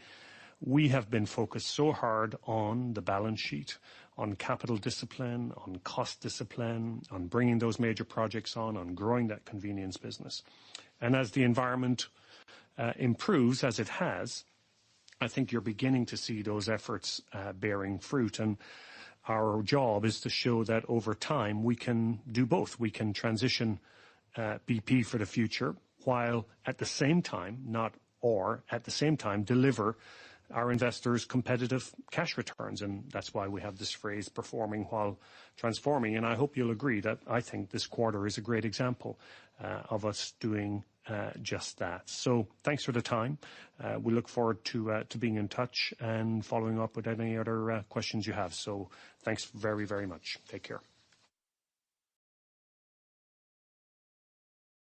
[SPEAKER 3] we have been focused so hard on the balance sheet, on capital discipline, on cost discipline, on bringing those major projects on growing that convenience business. As the environment improves, as it has, I think you're beginning to see those efforts bearing fruit. Our job is to show that over time, we can do both. We can transition BP for the future, while at the same time deliver our investors competitive cash returns. That is why we have this phrase, Performing While Transforming. I hope you'll agree that I think this quarter is a great example of us doing just that. Thanks for the time. We look forward to being in touch and following up with any other questions you have. Thanks very, very much. Take care.